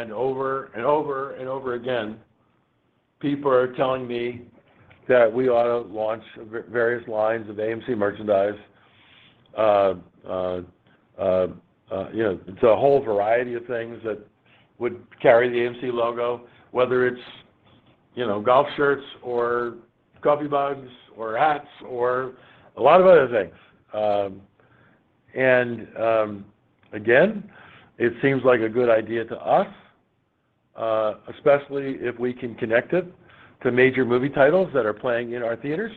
again, people are telling me that we ought to launch various lines of AMC merchandise. You know, it's a whole variety of things that would carry the AMC logo, whether it's, you know, golf shirts or coffee mugs or hats or a lot of other things. Again, it seems like a good idea to us, especially if we can connect it to major movie titles that are playing in our theaters.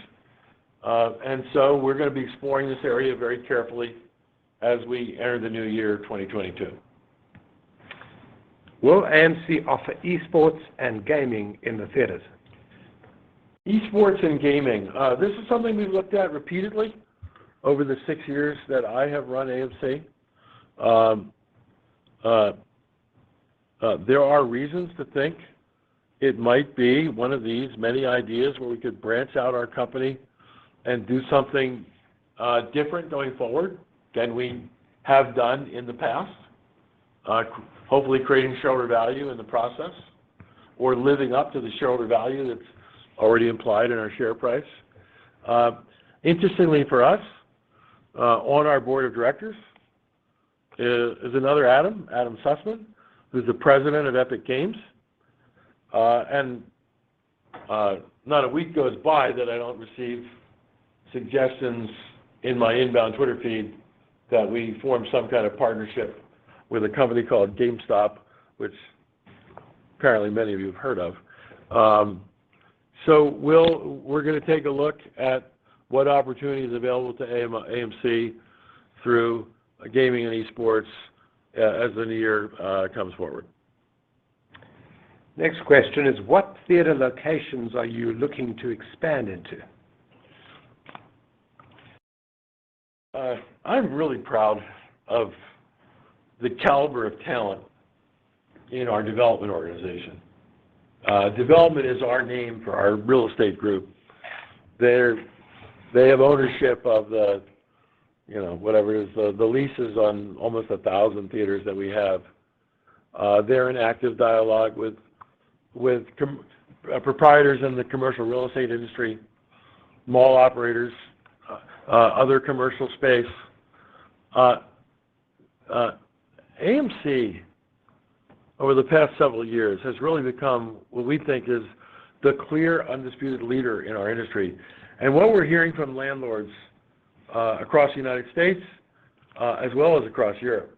We're gonna be exploring this area very carefully as we enter the new year, 2022. Will AMC offer esports and gaming in the theaters? Esports and gaming. This is something we've looked at repeatedly over the six years that I have run AMC. There are reasons to think it might be one of these many ideas where we could branch out our company and do something different going forward than we have done in the past, hopefully creating shareholder value in the process or living up to the shareholder value that's already implied in our share price. Interestingly for us, on our Board of Directors is another Adam Sussman, who's the president of Epic Games. Not a week goes by that I don't receive suggestions in my inbound Twitter feed that we form some kind of partnership with a company called GameStop, which apparently many of you have heard of. We're gonna take a look at what opportunities available to AMC through gaming and esports as the new year comes forward. Next question is, what theater locations are you looking to expand into? I'm really proud of the caliber of talent in our development organization. Development is our name for our real estate group. They have ownership of the, you know, whatever it is, the leases on almost 1,000 theaters that we have. They're in active dialogue with proprietors in the commercial real estate industry, mall operators, other commercial space. AMC over the past several years has really become what we think is the clear undisputed leader in our industry. What we're hearing from landlords across the United States, as well as across Europe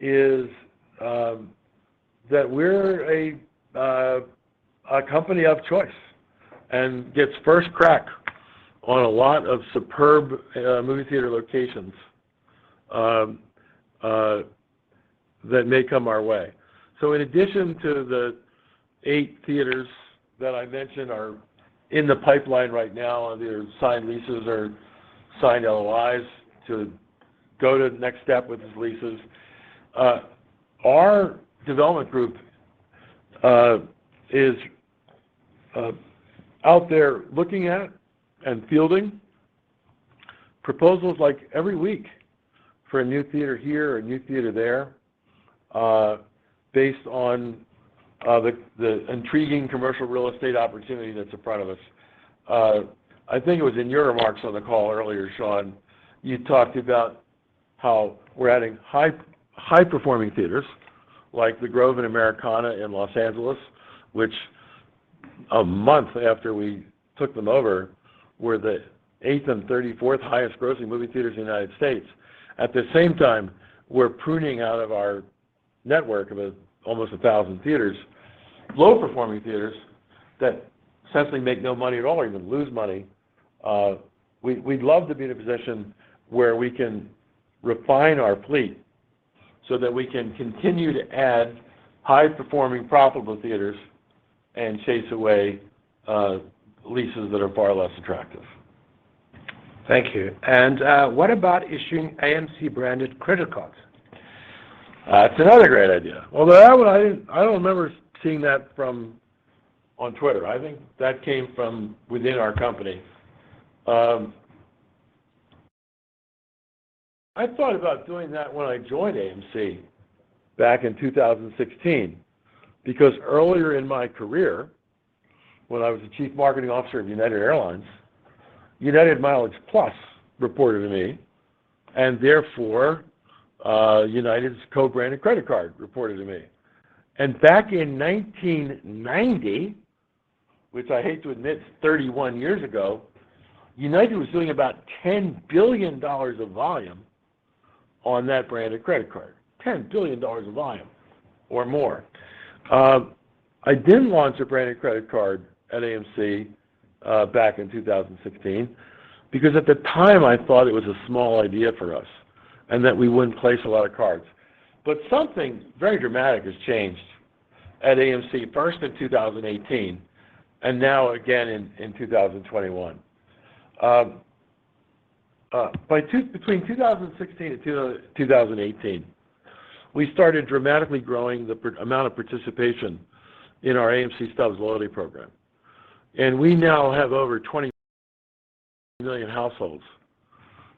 is that we're a company of choice and gets first crack on a lot of superb movie theater locations that may come our way. In addition to the eight theaters that I mentioned are in the pipeline right now, they're signed leases or signed LOIs to go to the next step with these leases. Our development group is out there looking at and fielding proposals like every week for a new theater here or a new theater there, based on the intriguing commercial real estate opportunity that's in front of us. I think it was in your remarks on the call earlier, Sean, you talked about how we're adding high-performing theaters like The Grove and Americana in Los Angeles, which a month after we took them over, were the 8th and 34th highest grossing movie theaters in the United States. At the same time, we're pruning out of our network of almost 1,000 theaters, low-performing theaters that essentially make no money at all or even lose money. We'd love to be in a position where we can refine our fleet so that we can continue to add high-performing profitable theaters and chase away leases that are far less attractive. Thank you. What about issuing AMC-branded credit cards? That's another great idea. Although that one I don't remember seeing that from on Twitter. I think that came from within our company. I thought about doing that when I joined AMC back in 2016 because earlier in my career, when I was the chief marketing officer at United Airlines, United MileagePlus reported to me, and therefore, United's co-branded credit card reported to me. Back in 1990, which I hate to admit is 31 years ago, United was doing about $10 billion of volume on that branded credit card, $10 billion of volume or more. I didn't launch a branded credit card at AMC back in 2016 because at the time, I thought it was a small idea for us and that we wouldn't place a lot of cards. Something very dramatic has changed at AMC, first in 2018 and now again in 2021. Between 2016 and 2018, we started dramatically growing the amount of participation in our AMC Stubs loyalty program. We now have over 20 million households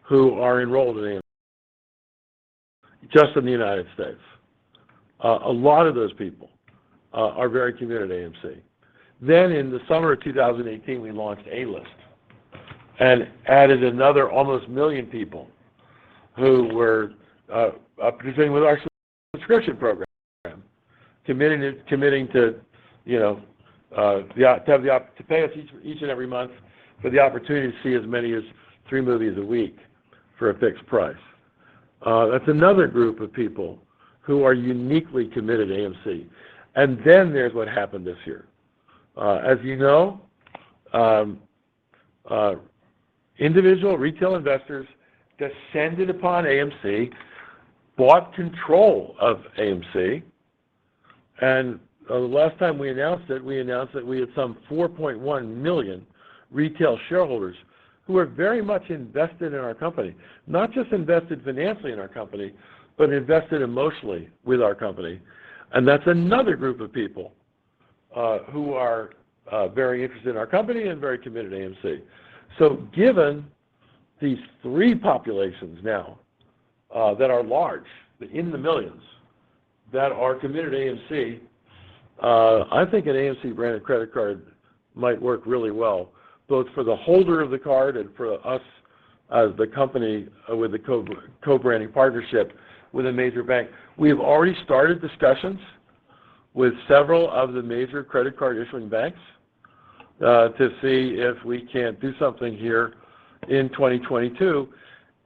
who are enrolled in AMC just in the United States. A lot of those people are very committed to AMC. In the summer of 2018, we launched A-List and added another almost one million people who were participating with our subscription program, committing, you know, to pay us each and every month for the opportunity to see as many as three movies a week for a fixed price. That's another group of people who are uniquely committed to AMC. Then there's what happened this year. As you know, individual retail investors descended upon AMC, bought control of AMC, and the last time we announced it, we announced that we had some 4.1 million retail shareholders who are very much invested in our company, not just invested financially in our company, but invested emotionally with our company. That's another group of people who are very interested in our company and very committed to AMC. Given these three populations now that are large, in the millions, that are committed to AMC, I think an AMC-branded credit card might work really well, both for the holder of the card and for us as the company with a co-branding partnership with a major bank. We have already started discussions with several of the major credit card issuing banks, to see if we can't do something here in 2022.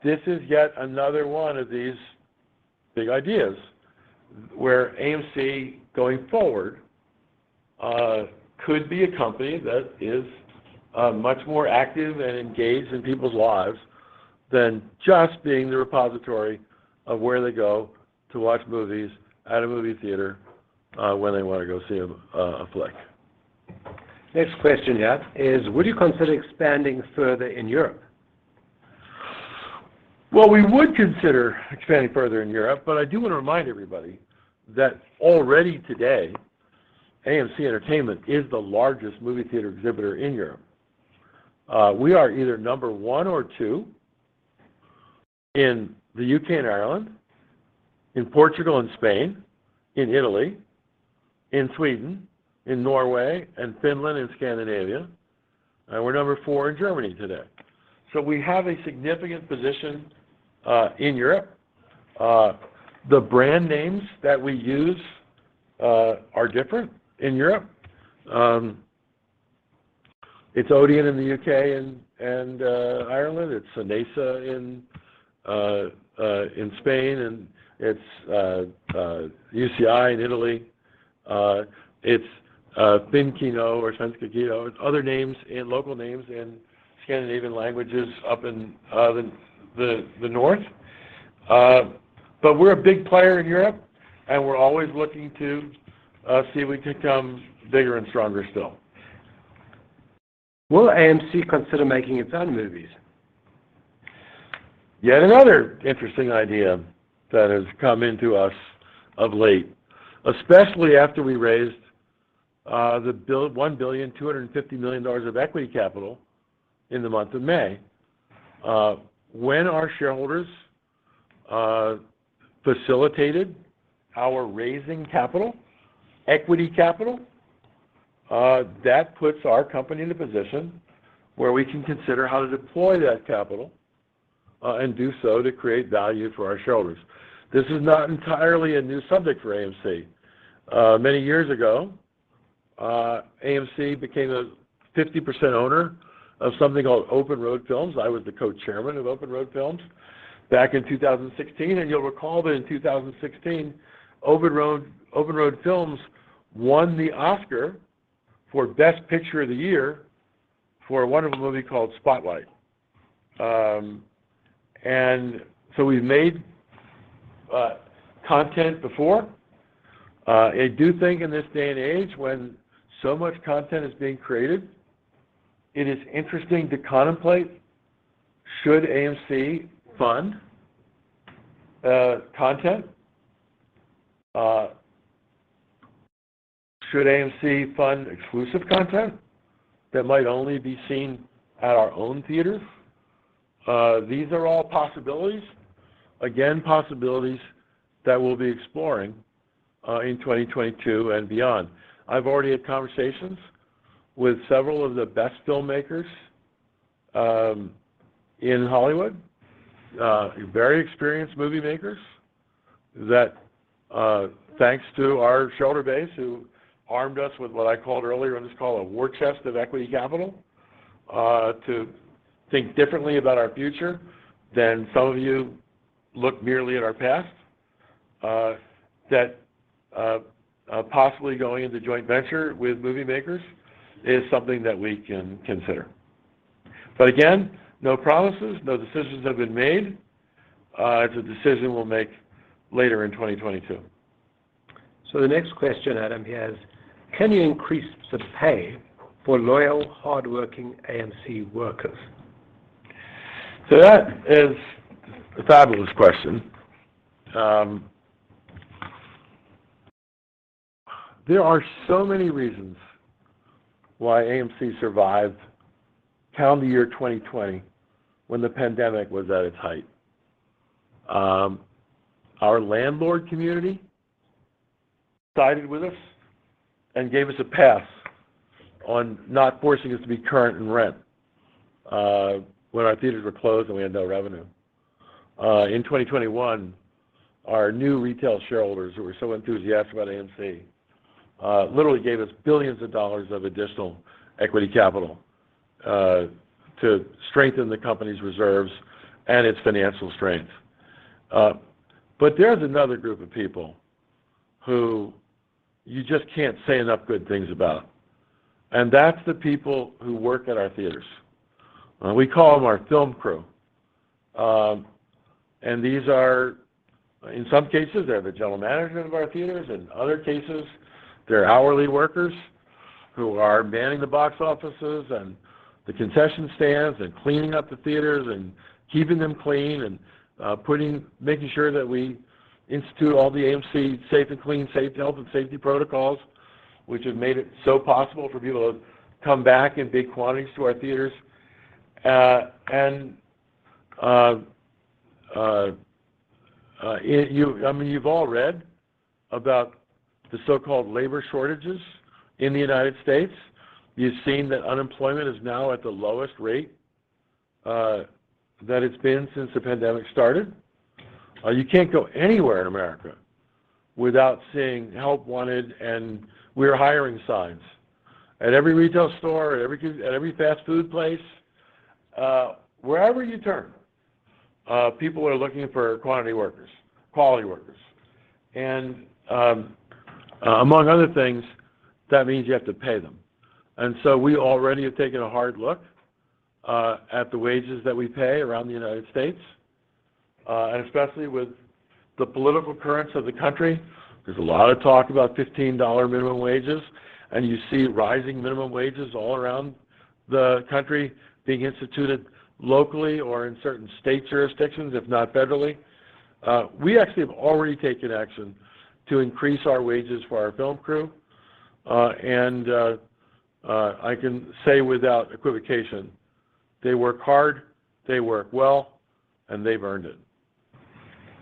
This is yet another one of these big ideas where AMC going forward, could be a company that is, much more active and engaged in people's lives than just being the repository of where they go to watch movies at a movie theater, when they wanna go see a flick. Next question, yeah, would you consider expanding further in Europe? Well, we would consider expanding further in Europe, but I do wanna remind everybody that already today AMC Entertainment is the largest movie theater exhibitor in Europe. We are either number one or two in the U.K. and Ireland, in Portugal and Spain, in Italy, in Sweden, in Norway, and Finland and Scandinavia. We're number four in Germany today. We have a significant position in Europe. The brand names that we use are different in Europe. It's ODEON in the U.K. and Ireland. It's Cinesa in Spain, and it's UCI in Italy. It's Finnkino or SF Kino and other names and local names in Scandinavian languages up in the North. We're a big player in Europe, and we're always looking to see if we can come bigger and stronger still. Will AMC consider making its own movies? Yet another interesting idea that has come into us of late, especially after we raised $1.25 billion of equity capital in the month of May. When our shareholders facilitated our raising capital, equity capital, that puts our company in a position where we can consider how to deploy that capital, and do so to create value for our shareholders. This is not entirely a new subject for AMC. Many years ago, AMC became a 50% owner of something called Open Road Films. I was the co-chairman of Open Road Films back in 2016. You'll recall that in 2016, Open Road Films won the Oscar for best picture of the year for a wonderful movie called Spotlight. We've made content before. I do think in this day and age when so much content is being created, it is interesting to contemplate should AMC fund content. Should AMC fund exclusive content that might only be seen at our own theaters? These are all possibilities. Again, possibilities that we'll be exploring in 2022 and beyond. I've already had conversations with several of the best filmmakers in Hollywood. Very experienced movie makers that, thanks to our shareholder base, who armed us with what I called earlier, let's call a war chest of equity capital, to think differently about our future than some of you look merely at our past. Possibly going into joint venture with movie makers is something that we can consider. Again, no promises, no decisions have been made. It's a decision we'll make later in 2022. The next question, Adam, here is: Can you increase the pay for loyal, hardworking AMC workers? That is a fabulous question. There are so many reasons why AMC survived calendar year 2020 when the pandemic was at its height. Our landlord community sided with us and gave us a pass on not forcing us to be current in rent, when our theaters were closed, and we had no revenue. In 2021, our new retail shareholders who were so enthusiastic about AMC, literally gave us billions of dollars of additional equity capital, to strengthen the company's reserves and its financial strength. But there's another group of people who you just can't say enough good things about, and that's the people who work at our theaters. We call them our film crew. These are in some cases the general management of our theaters, and other cases they're hourly workers who are manning the box offices and the concession stands and cleaning up the theaters and keeping them clean and making sure that we institute all the AMC Safe & Clean safe health and safety protocols, which have made it so possible for people to come back in big quantities to our theaters. I mean, you've all read about the so-called labor shortages in the United States. You've seen that unemployment is now at the lowest rate that it's been since the pandemic started. You can't go anywhere in America without seeing help wanted and we're hiring signs at every retail store, at every fast food place. Wherever you turn, people are looking for qualified workers, quality workers. Among other things, that means you have to pay them. We already have taken a hard look at the wages that we pay around the United States. Especially with the political currents of the country, there's a lot of talk about $15 minimum wages. You see rising minimum wages all around the country being instituted locally or in certain state jurisdictions, if not federally. We actually have already taken action to increase our wages for our film crew. I can say without equivocation, they work hard, they work well, and they've earned it.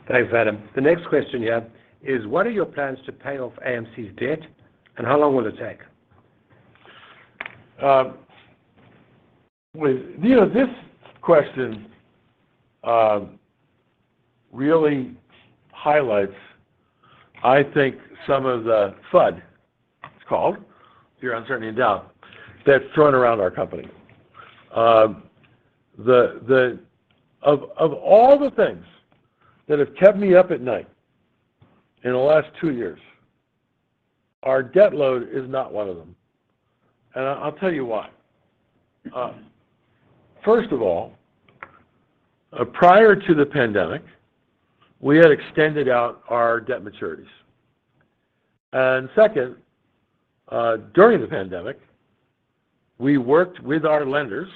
Thanks, Adam. The next question you have is: What are your plans to pay off AMC's debt, and how long will it take? You know, this question really highlights, I think, some of the FUD, it's called, fear, uncertainty, and doubt, that's thrown around our company. Of all the things that have kept me up at night in the last two years, our debt load is not one of them, and I'll tell you why. First of all, prior to the pandemic, we had extended out our debt maturities. Second, during the pandemic, we worked with our lenders,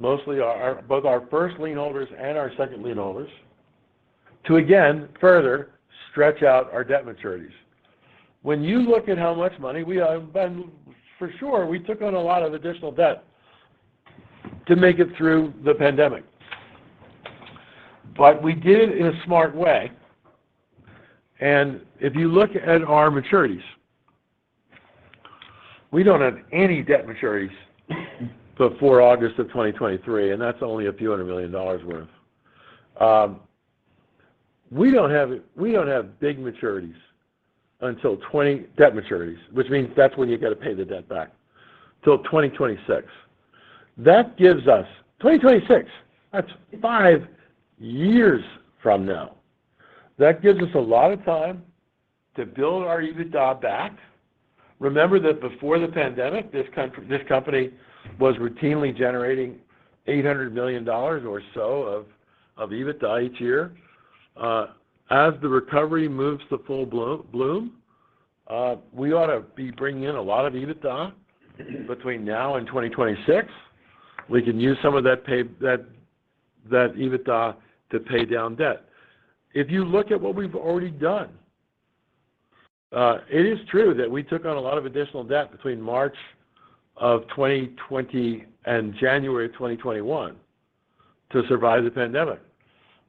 mostly both our first lien holders and our second lien holders, to again, further stretch out our debt maturities. When you look at how much money we have been... For sure, we took on a lot of additional debt to make it through the pandemic. We did it in a smart way, and if you look at our maturities, we don't have any debt maturities before August of 2023, and that's only a few hundred million dollars worth. We don't have big debt maturities until 2026. That means that's when you gotta pay the debt back. That gives us 2026, that's five years from now. That gives us a lot of time to build our EBITDA back. Remember that before the pandemic, this company was routinely generating $800 million or so of EBITDA each year. As the recovery moves to full bloom, we ought to be bringing in a lot of EBITDA between now and 2026. We can use some of that EBITDA to pay down debt. If you look at what we've already done, it is true that we took on a lot of additional debt between March 2020 and January 2021 to survive the pandemic.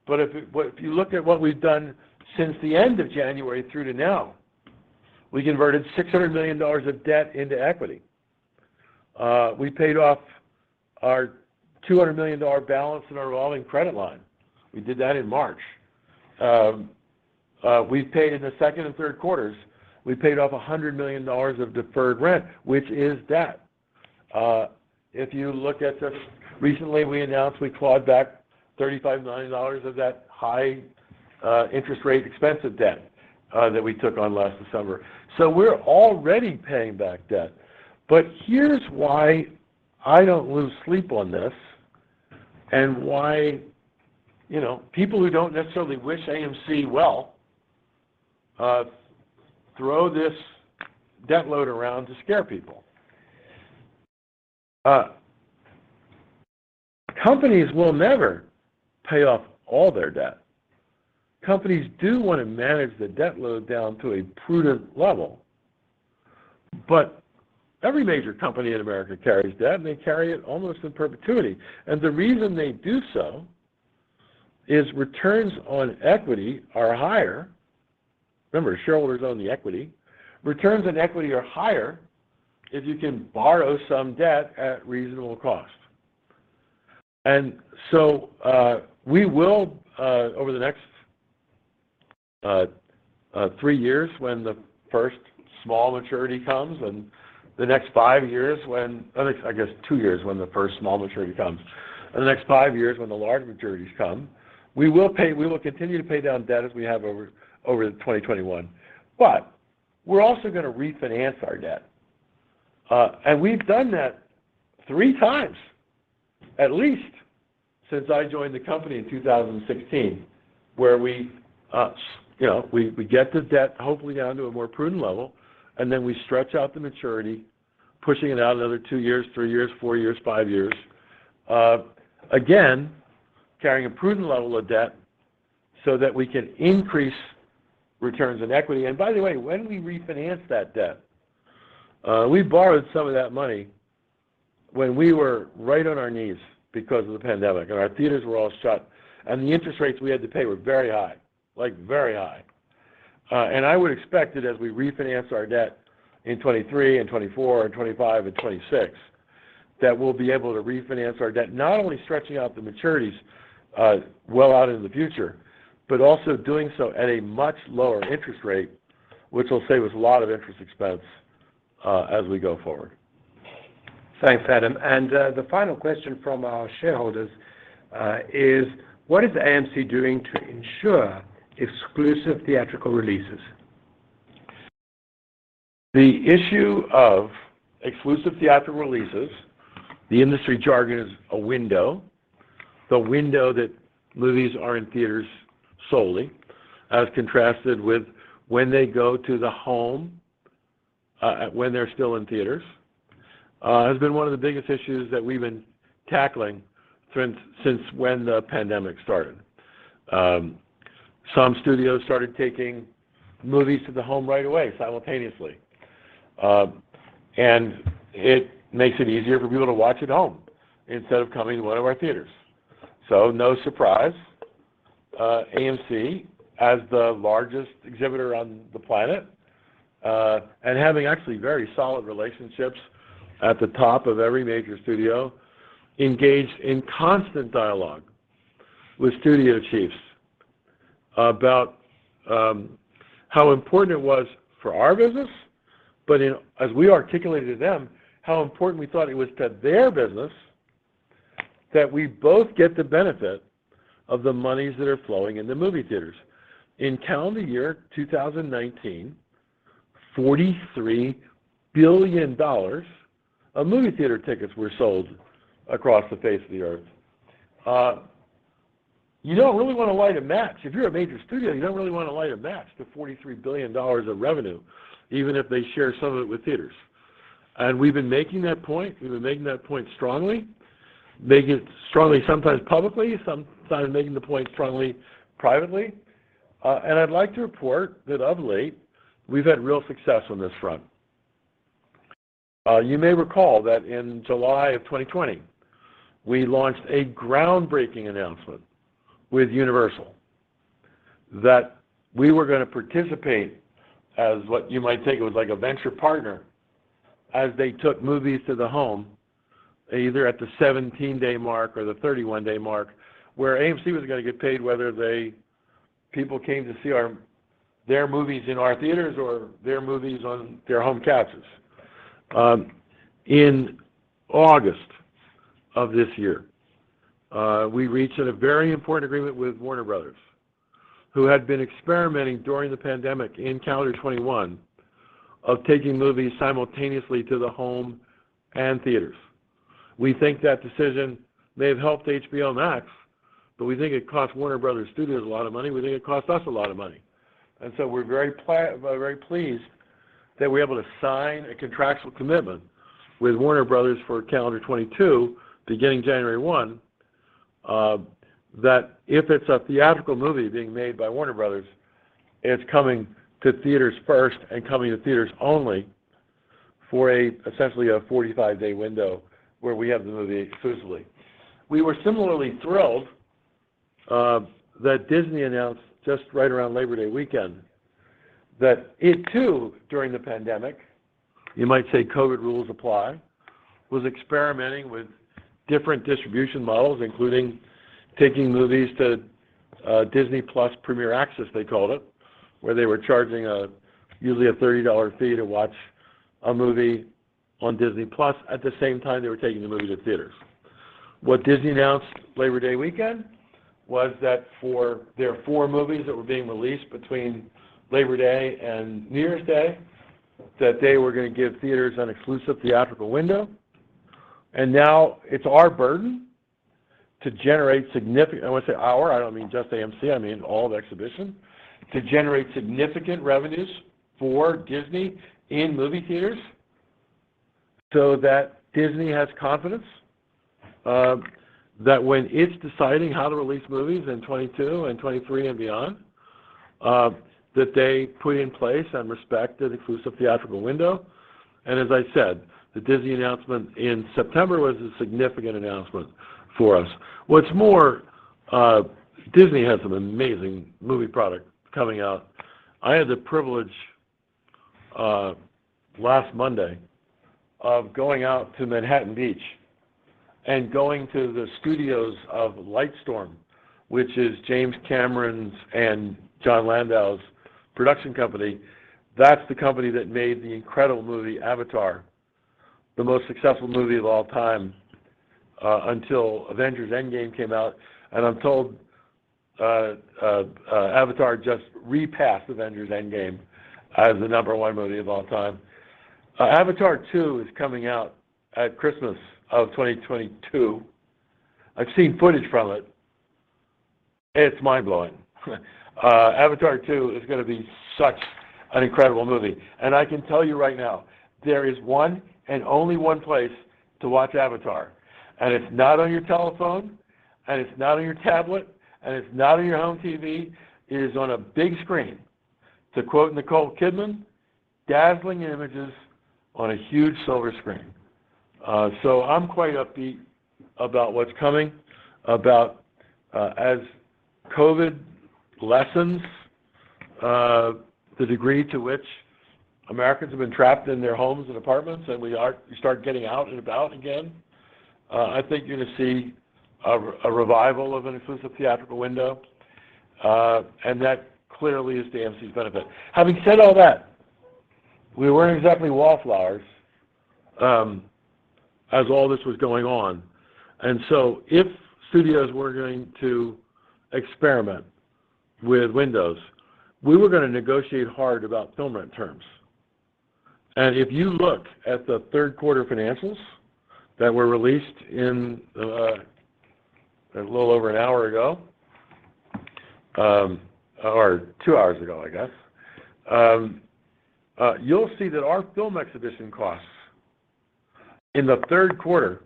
If you look at what we've done since the end of January through to now, we converted $600 million of debt into equity. We paid off our $200 million balance in our revolving credit line. We did that in March. In the second and third quarters, we paid off $100 million of deferred rent, which is debt. Recently, we announced we clawed back $35 million of that high interest rate expensive debt that we took on last December. We're already paying back debt, but here's why I don't lose sleep on this and why, you know, people who don't necessarily wish AMC well, throw this debt load around to scare people. Companies will never pay off all their debt. Companies do wanna manage the debt load down to a prudent level. Every major company in America carries debt, and they carry it almost in perpetuity. The reason they do so is returns on equity are higher. Remember, shareholders own the equity. Returns on equity are higher if you can borrow some debt at reasonable cost. We will over the next three years, when the first small maturity comes, and the next five years when... Over the next two years, when the first small maturity comes, and the next five years when the large maturities come, we will continue to pay down debt as we have over 2021. We're also gonna refinance our debt. We've done that three times at least since I joined the company in 2016, where we, you know, get the debt hopefully down to a more prudent level, and then we stretch out the maturity, pushing it out another two years, three years, four years, five years. Again, carrying a prudent level of debt so that we can increase returns on equity. By the way, when we refinance that debt, we borrowed some of that money when we were right on our knees because of the pandemic, and our theaters were all shut, and the interest rates we had to pay were very high, like very high. I would expect that as we refinance our debt in 2023 and 2024 and 2025 and 2026, that we'll be able to refinance our debt, not only stretching out the maturities, well out into the future, but also doing so at a much lower interest rate, which will save us a lot of interest expense, as we go forward. Thanks, Adam. The final question from our shareholders is, What is AMC doing to ensure exclusive theatrical releases? The issue of exclusive theatrical releases, the industry jargon is a window. The window that movies are in theaters solely, as contrasted with when they go to the home, when they're still in theaters, has been one of the biggest issues that we've been tackling since when the pandemic started. Some studios started taking movies to the home right away simultaneously. It makes it easier for people to watch at home instead of coming to one of our theaters. No surprise, AMC as the largest exhibitor on the planet, and having actually very solid relationships at the top of every major studio, engaged in constant dialogue with studio chiefs about how important it was for our business. As we articulated to them, how important we thought it was to their business that we both get the benefit of the monies that are flowing in the movie theaters. In calendar year 2019, $43 billion of movie theater tickets were sold across the face of the earth. You don't really wanna light a match. If you're a major studio, you don't really wanna light a match to $43 billion of revenue, even if they share some of it with theaters. We've been making that point strongly, sometimes publicly, sometimes privately. I'd like to report that of late, we've had real success on this front. You may recall that in July 2020, we launched a groundbreaking announcement with Universal that we were gonna participate as what you might think was like a venture partner, as they took movies to the home, either at the 17-day mark or the 31-day mark, where AMC was gonna get paid, whether people came to see their movies in our theaters or their movies on their home couches. In August of this year, we reached a very important agreement with Warner Bros., who had been experimenting during the pandemic in calendar 2021 of taking movies simultaneously to the home and theaters. We think that decision may have helped HBO Max, but we think it cost Warner Bros. Studios a lot of money. We think it cost us a lot of money. We're very pleased that we're able to sign a contractual commitment with Warner Bros. for calendar 2022, beginning January 1, that if it's a theatrical movie being made by Warner Bros., it's coming to theaters first and coming to theaters only for, essentially, a 45-day window where we have the movie exclusively. We were similarly thrilled that Disney announced just right around Labor Day weekend that it too, during the pandemic, you might say COVID rules apply, was experimenting with different distribution models, including taking movies to Disney+ Premier Access, they called it, where they were charging, usually, a $30 fee to watch a movie on Disney+ at the same time they were taking the movie to theaters. What Disney announced Labor Day weekend was that for their four movies that were being released between Labor Day and New Year's Day, that they were gonna give theaters an exclusive theatrical window. Now it's our burden, I wanna say our, I don't mean just AMC, I mean all of exhibition, to generate significant revenues for Disney in movie theaters, so that Disney has confidence that when it's deciding how to release movies in 2022 and 2023 and beyond, that they put in place and respect an exclusive theatrical window. As I said, the Disney announcement in September was a significant announcement for us. What's more, Disney has some amazing movie product coming out. I had the privilege last Monday of going out to Manhattan Beach and going to the studios of Lightstorm, which is James Cameron's and Jon Landau's production company. That's the company that made the incredible movie Avatar, the most successful movie of all time, until Avengers: Endgame came out. I'm told Avatar just repassed Avengers: Endgame as the number one movie of all time. Avatar 2 is coming out at Christmas of 2022. I've seen footage from it. It's mind-blowing. Avatar 2 is gonna be such an incredible movie. I can tell you right now, there is one and only one place to watch Avatar, and it's not on your telephone, and it's not on your tablet, and it's not on your home TV. It is on a big screen. To quote Nicole Kidman, "Dazzling images on a huge silver screen." I'm quite upbeat about what's coming, about, as COVID lessens, the degree to which Americans have been trapped in their homes and apartments, and we start getting out and about again, I think you're gonna see a revival of an exclusive theatrical window, and that clearly is to AMC's benefit. Having said all that, we weren't exactly wallflowers, as all this was going on. If studios were going to experiment with windows, we were gonna negotiate hard about film rent terms. If you look at the third quarter financials that were released in a little over an hour ago, or two hours ago, I guess, you'll see that our film exhibition costs in the third quarter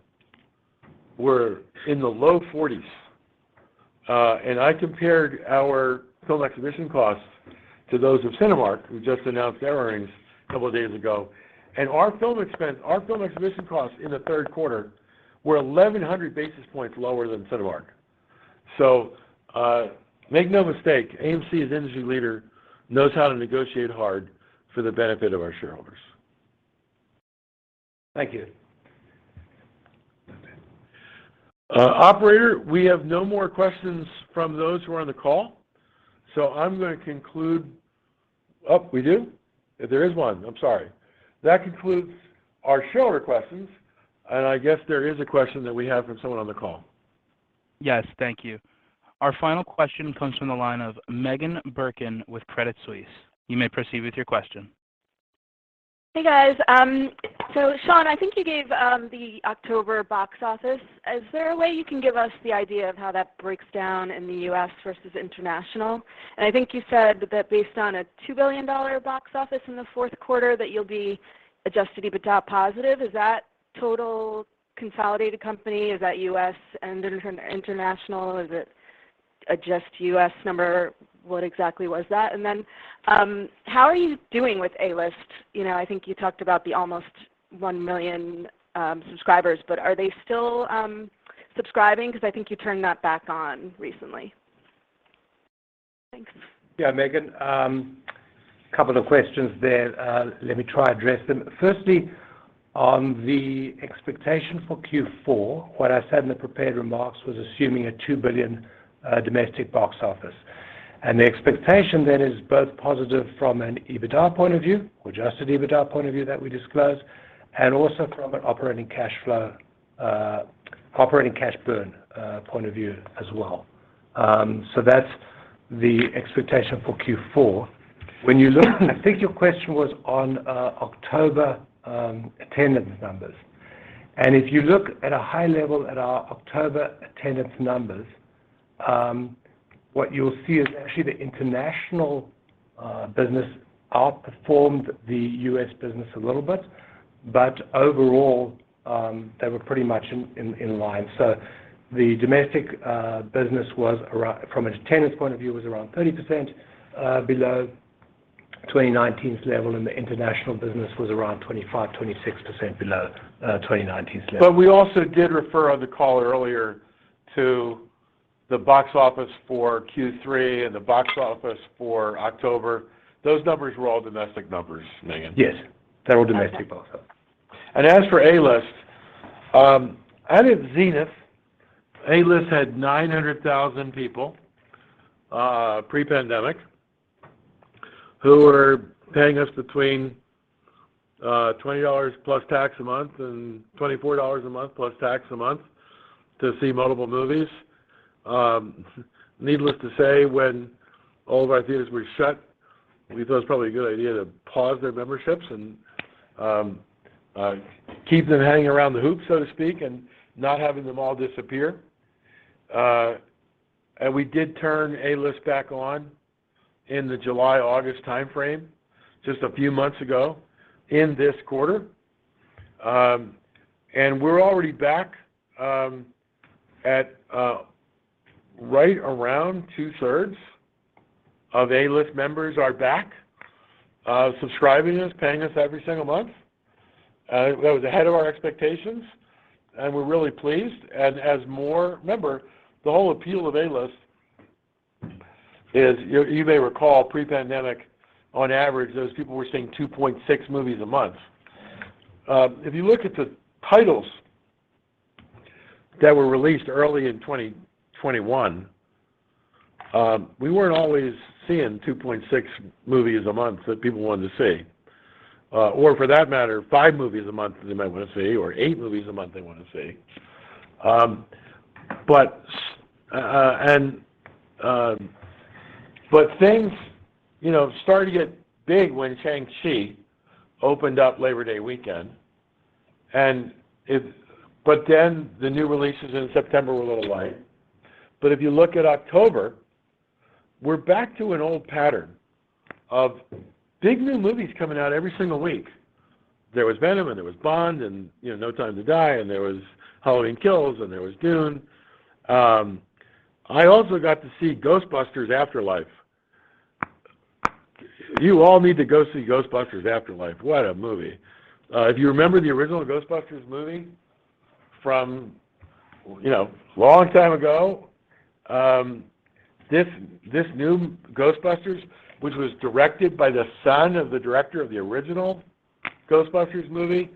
were in the low 40s. I compared our film exhibition costs to those of Cinemark, who just announced their earnings a couple of days ago, and our film exhibition costs in the third quarter were 1,100 basis points lower than Cinemark. Make no mistake, AMC as industry leader knows how to negotiate hard for the benefit of our shareholders. Thank you. Operator, we have no more questions from those who are on the call. I'm gonna conclude. Oh, we do? There is one. I'm sorry. That concludes our shareholder questions, and I guess there is a question that we have from someone on the call. Yes. Thank you. Our final question comes from the line of Meghan Durkin with Credit Suisse. You may proceed with your question. Hey, guys. Sean, I think you gave the October box office. Is there a way you can give us the idea of how that breaks down in the U.S. versus international? I think you said that based on a $2 billion box office in the fourth quarter, that you'll be adjusted EBITDA positive. Is that total consolidated company? Is that U.S. and international? Is it or just U.S. number? What exactly was that? How are you doing with A-List? You know, I think you talked about the almost 1 million subscribers, but are they still subscribing? Because I think you turned that back on recently. Thanks. Yeah. Meghan, couple of questions there. Let me try address them. Firstly, on the expectation for Q4, what I said in the prepared remarks was assuming a $2 billion domestic box office. The expectation then is both positive from an EBITDA point of view or adjusted EBITDA point of view that we disclosed, and also from an operating cash flow, operating cash burn point of view as well. So that's the expectation for Q4. When you look, I think your question was on October attendance numbers. If you look at a high level at our October attendance numbers, what you'll see is actually the international business outperformed the U.S. business a little bit. Overall, they were pretty much in line. The domestic business was around, from an attendance point of view, 30% below 2019's level, and the international business was around 25%-26% below 2019's level. We also did refer on the call earlier to the box office for Q3 and the box office for October. Those numbers were all domestic numbers, Meghan. Yes. They were domestic box office. As for A-List, out of zenith, A-List had 900,000 people pre-pandemic who were paying us between $20+ tax a month and $24+ tax a month to see multiple movies. Needless to say, when all of our theaters were shut, we thought it's probably a good idea to pause their memberships and keep them hanging around the hoop, so to speak, and not having them all disappear. We did turn A-List back on in the July, August time frame just a few months ago in this quarter. We're already back at right around two-thirds of A-List members are back subscribing us, paying us every single month. That was ahead of our expectations, and we're really pleased. Remember, the whole appeal of A-List is you may recall pre-pandemic, on average, those people were seeing 2.6 movies a month. If you look at the titles that were released early in 2021, we weren't always seeing 2.6 movies a month that people wanted to see, or for that matter, five movies a month they might wanna see, or eight movies a month they wanna see. Things, you know, started to get big when Shang-Chi opened up Labor Day weekend, but then the new releases in September were a little light. If you look at October, we're back to an old pattern of big new movies coming out every single week. There was Venom, and there was Bond, and, you know, No Time to Die, and there was Halloween Kills, and there was Dune. I also got to see Ghostbusters: Afterlife. You all need to go see Ghostbusters: Afterlife. What a movie. If you remember the original Ghostbusters movie from, you know, a long time ago, this new Ghostbusters, which was directed by the son of the Director of the original Ghostbusters movie,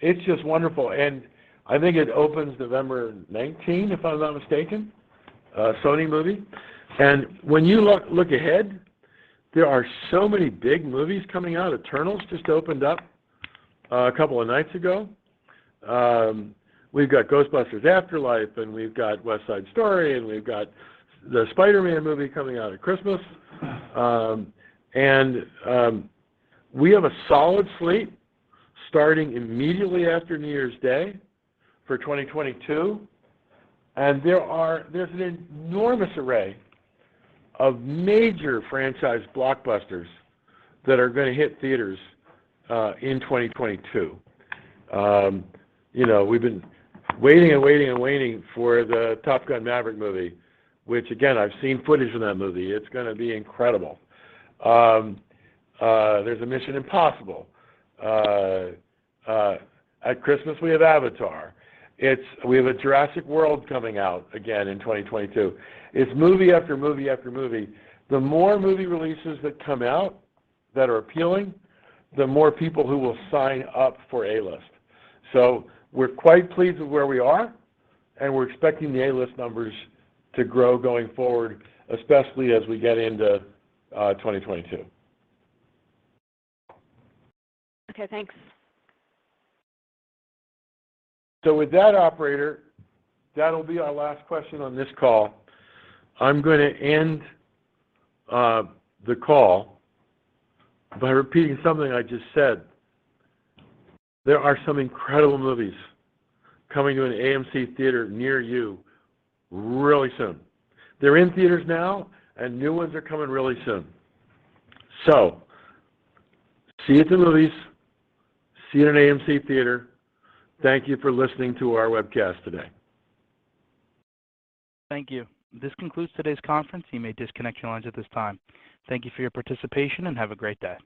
it's just wonderful. I think it opens November nineteenth, if I'm not mistaken, Sony movie. When you look ahead, there are so many big movies coming out. Eternals just opened up a couple of nights ago. We've got Ghostbusters: Afterlife, and we've got West Side Story, and we've got the Spider-Man movie coming out at Christmas. We have a solid slate starting immediately after New Year's Day for 2022, and there's an enormous array of major franchise blockbusters that are gonna hit theaters in 2022. You know, we've been waiting for the Top Gun: Maverick movie which again, I've seen footage of that movie, it's gonna be incredible. There's a Mission: Impossible. At Christmas, we have Avatar. We have a Jurassic World coming out again in 2022. It's movie after movie after movie. The more movie releases that come out that are appealing, the more people who will sign up for A-List. We're quite pleased with where we are, and we're expecting the A-List numbers to grow going forward, especially as we get into 2022. Okay, thanks. With that operator, that'll be our last question on this call. I'm gonna end the call by repeating something I just said. There are some incredible movies coming to an AMC theater near you really soon. They're in theaters now, and new ones are coming really soon. See you at the movies. See you at an AMC theater. Thank you for listening to our webcast today. Thank you. This concludes today's conference. You may disconnect your lines at this time. Thank you for your participation, and have a great day.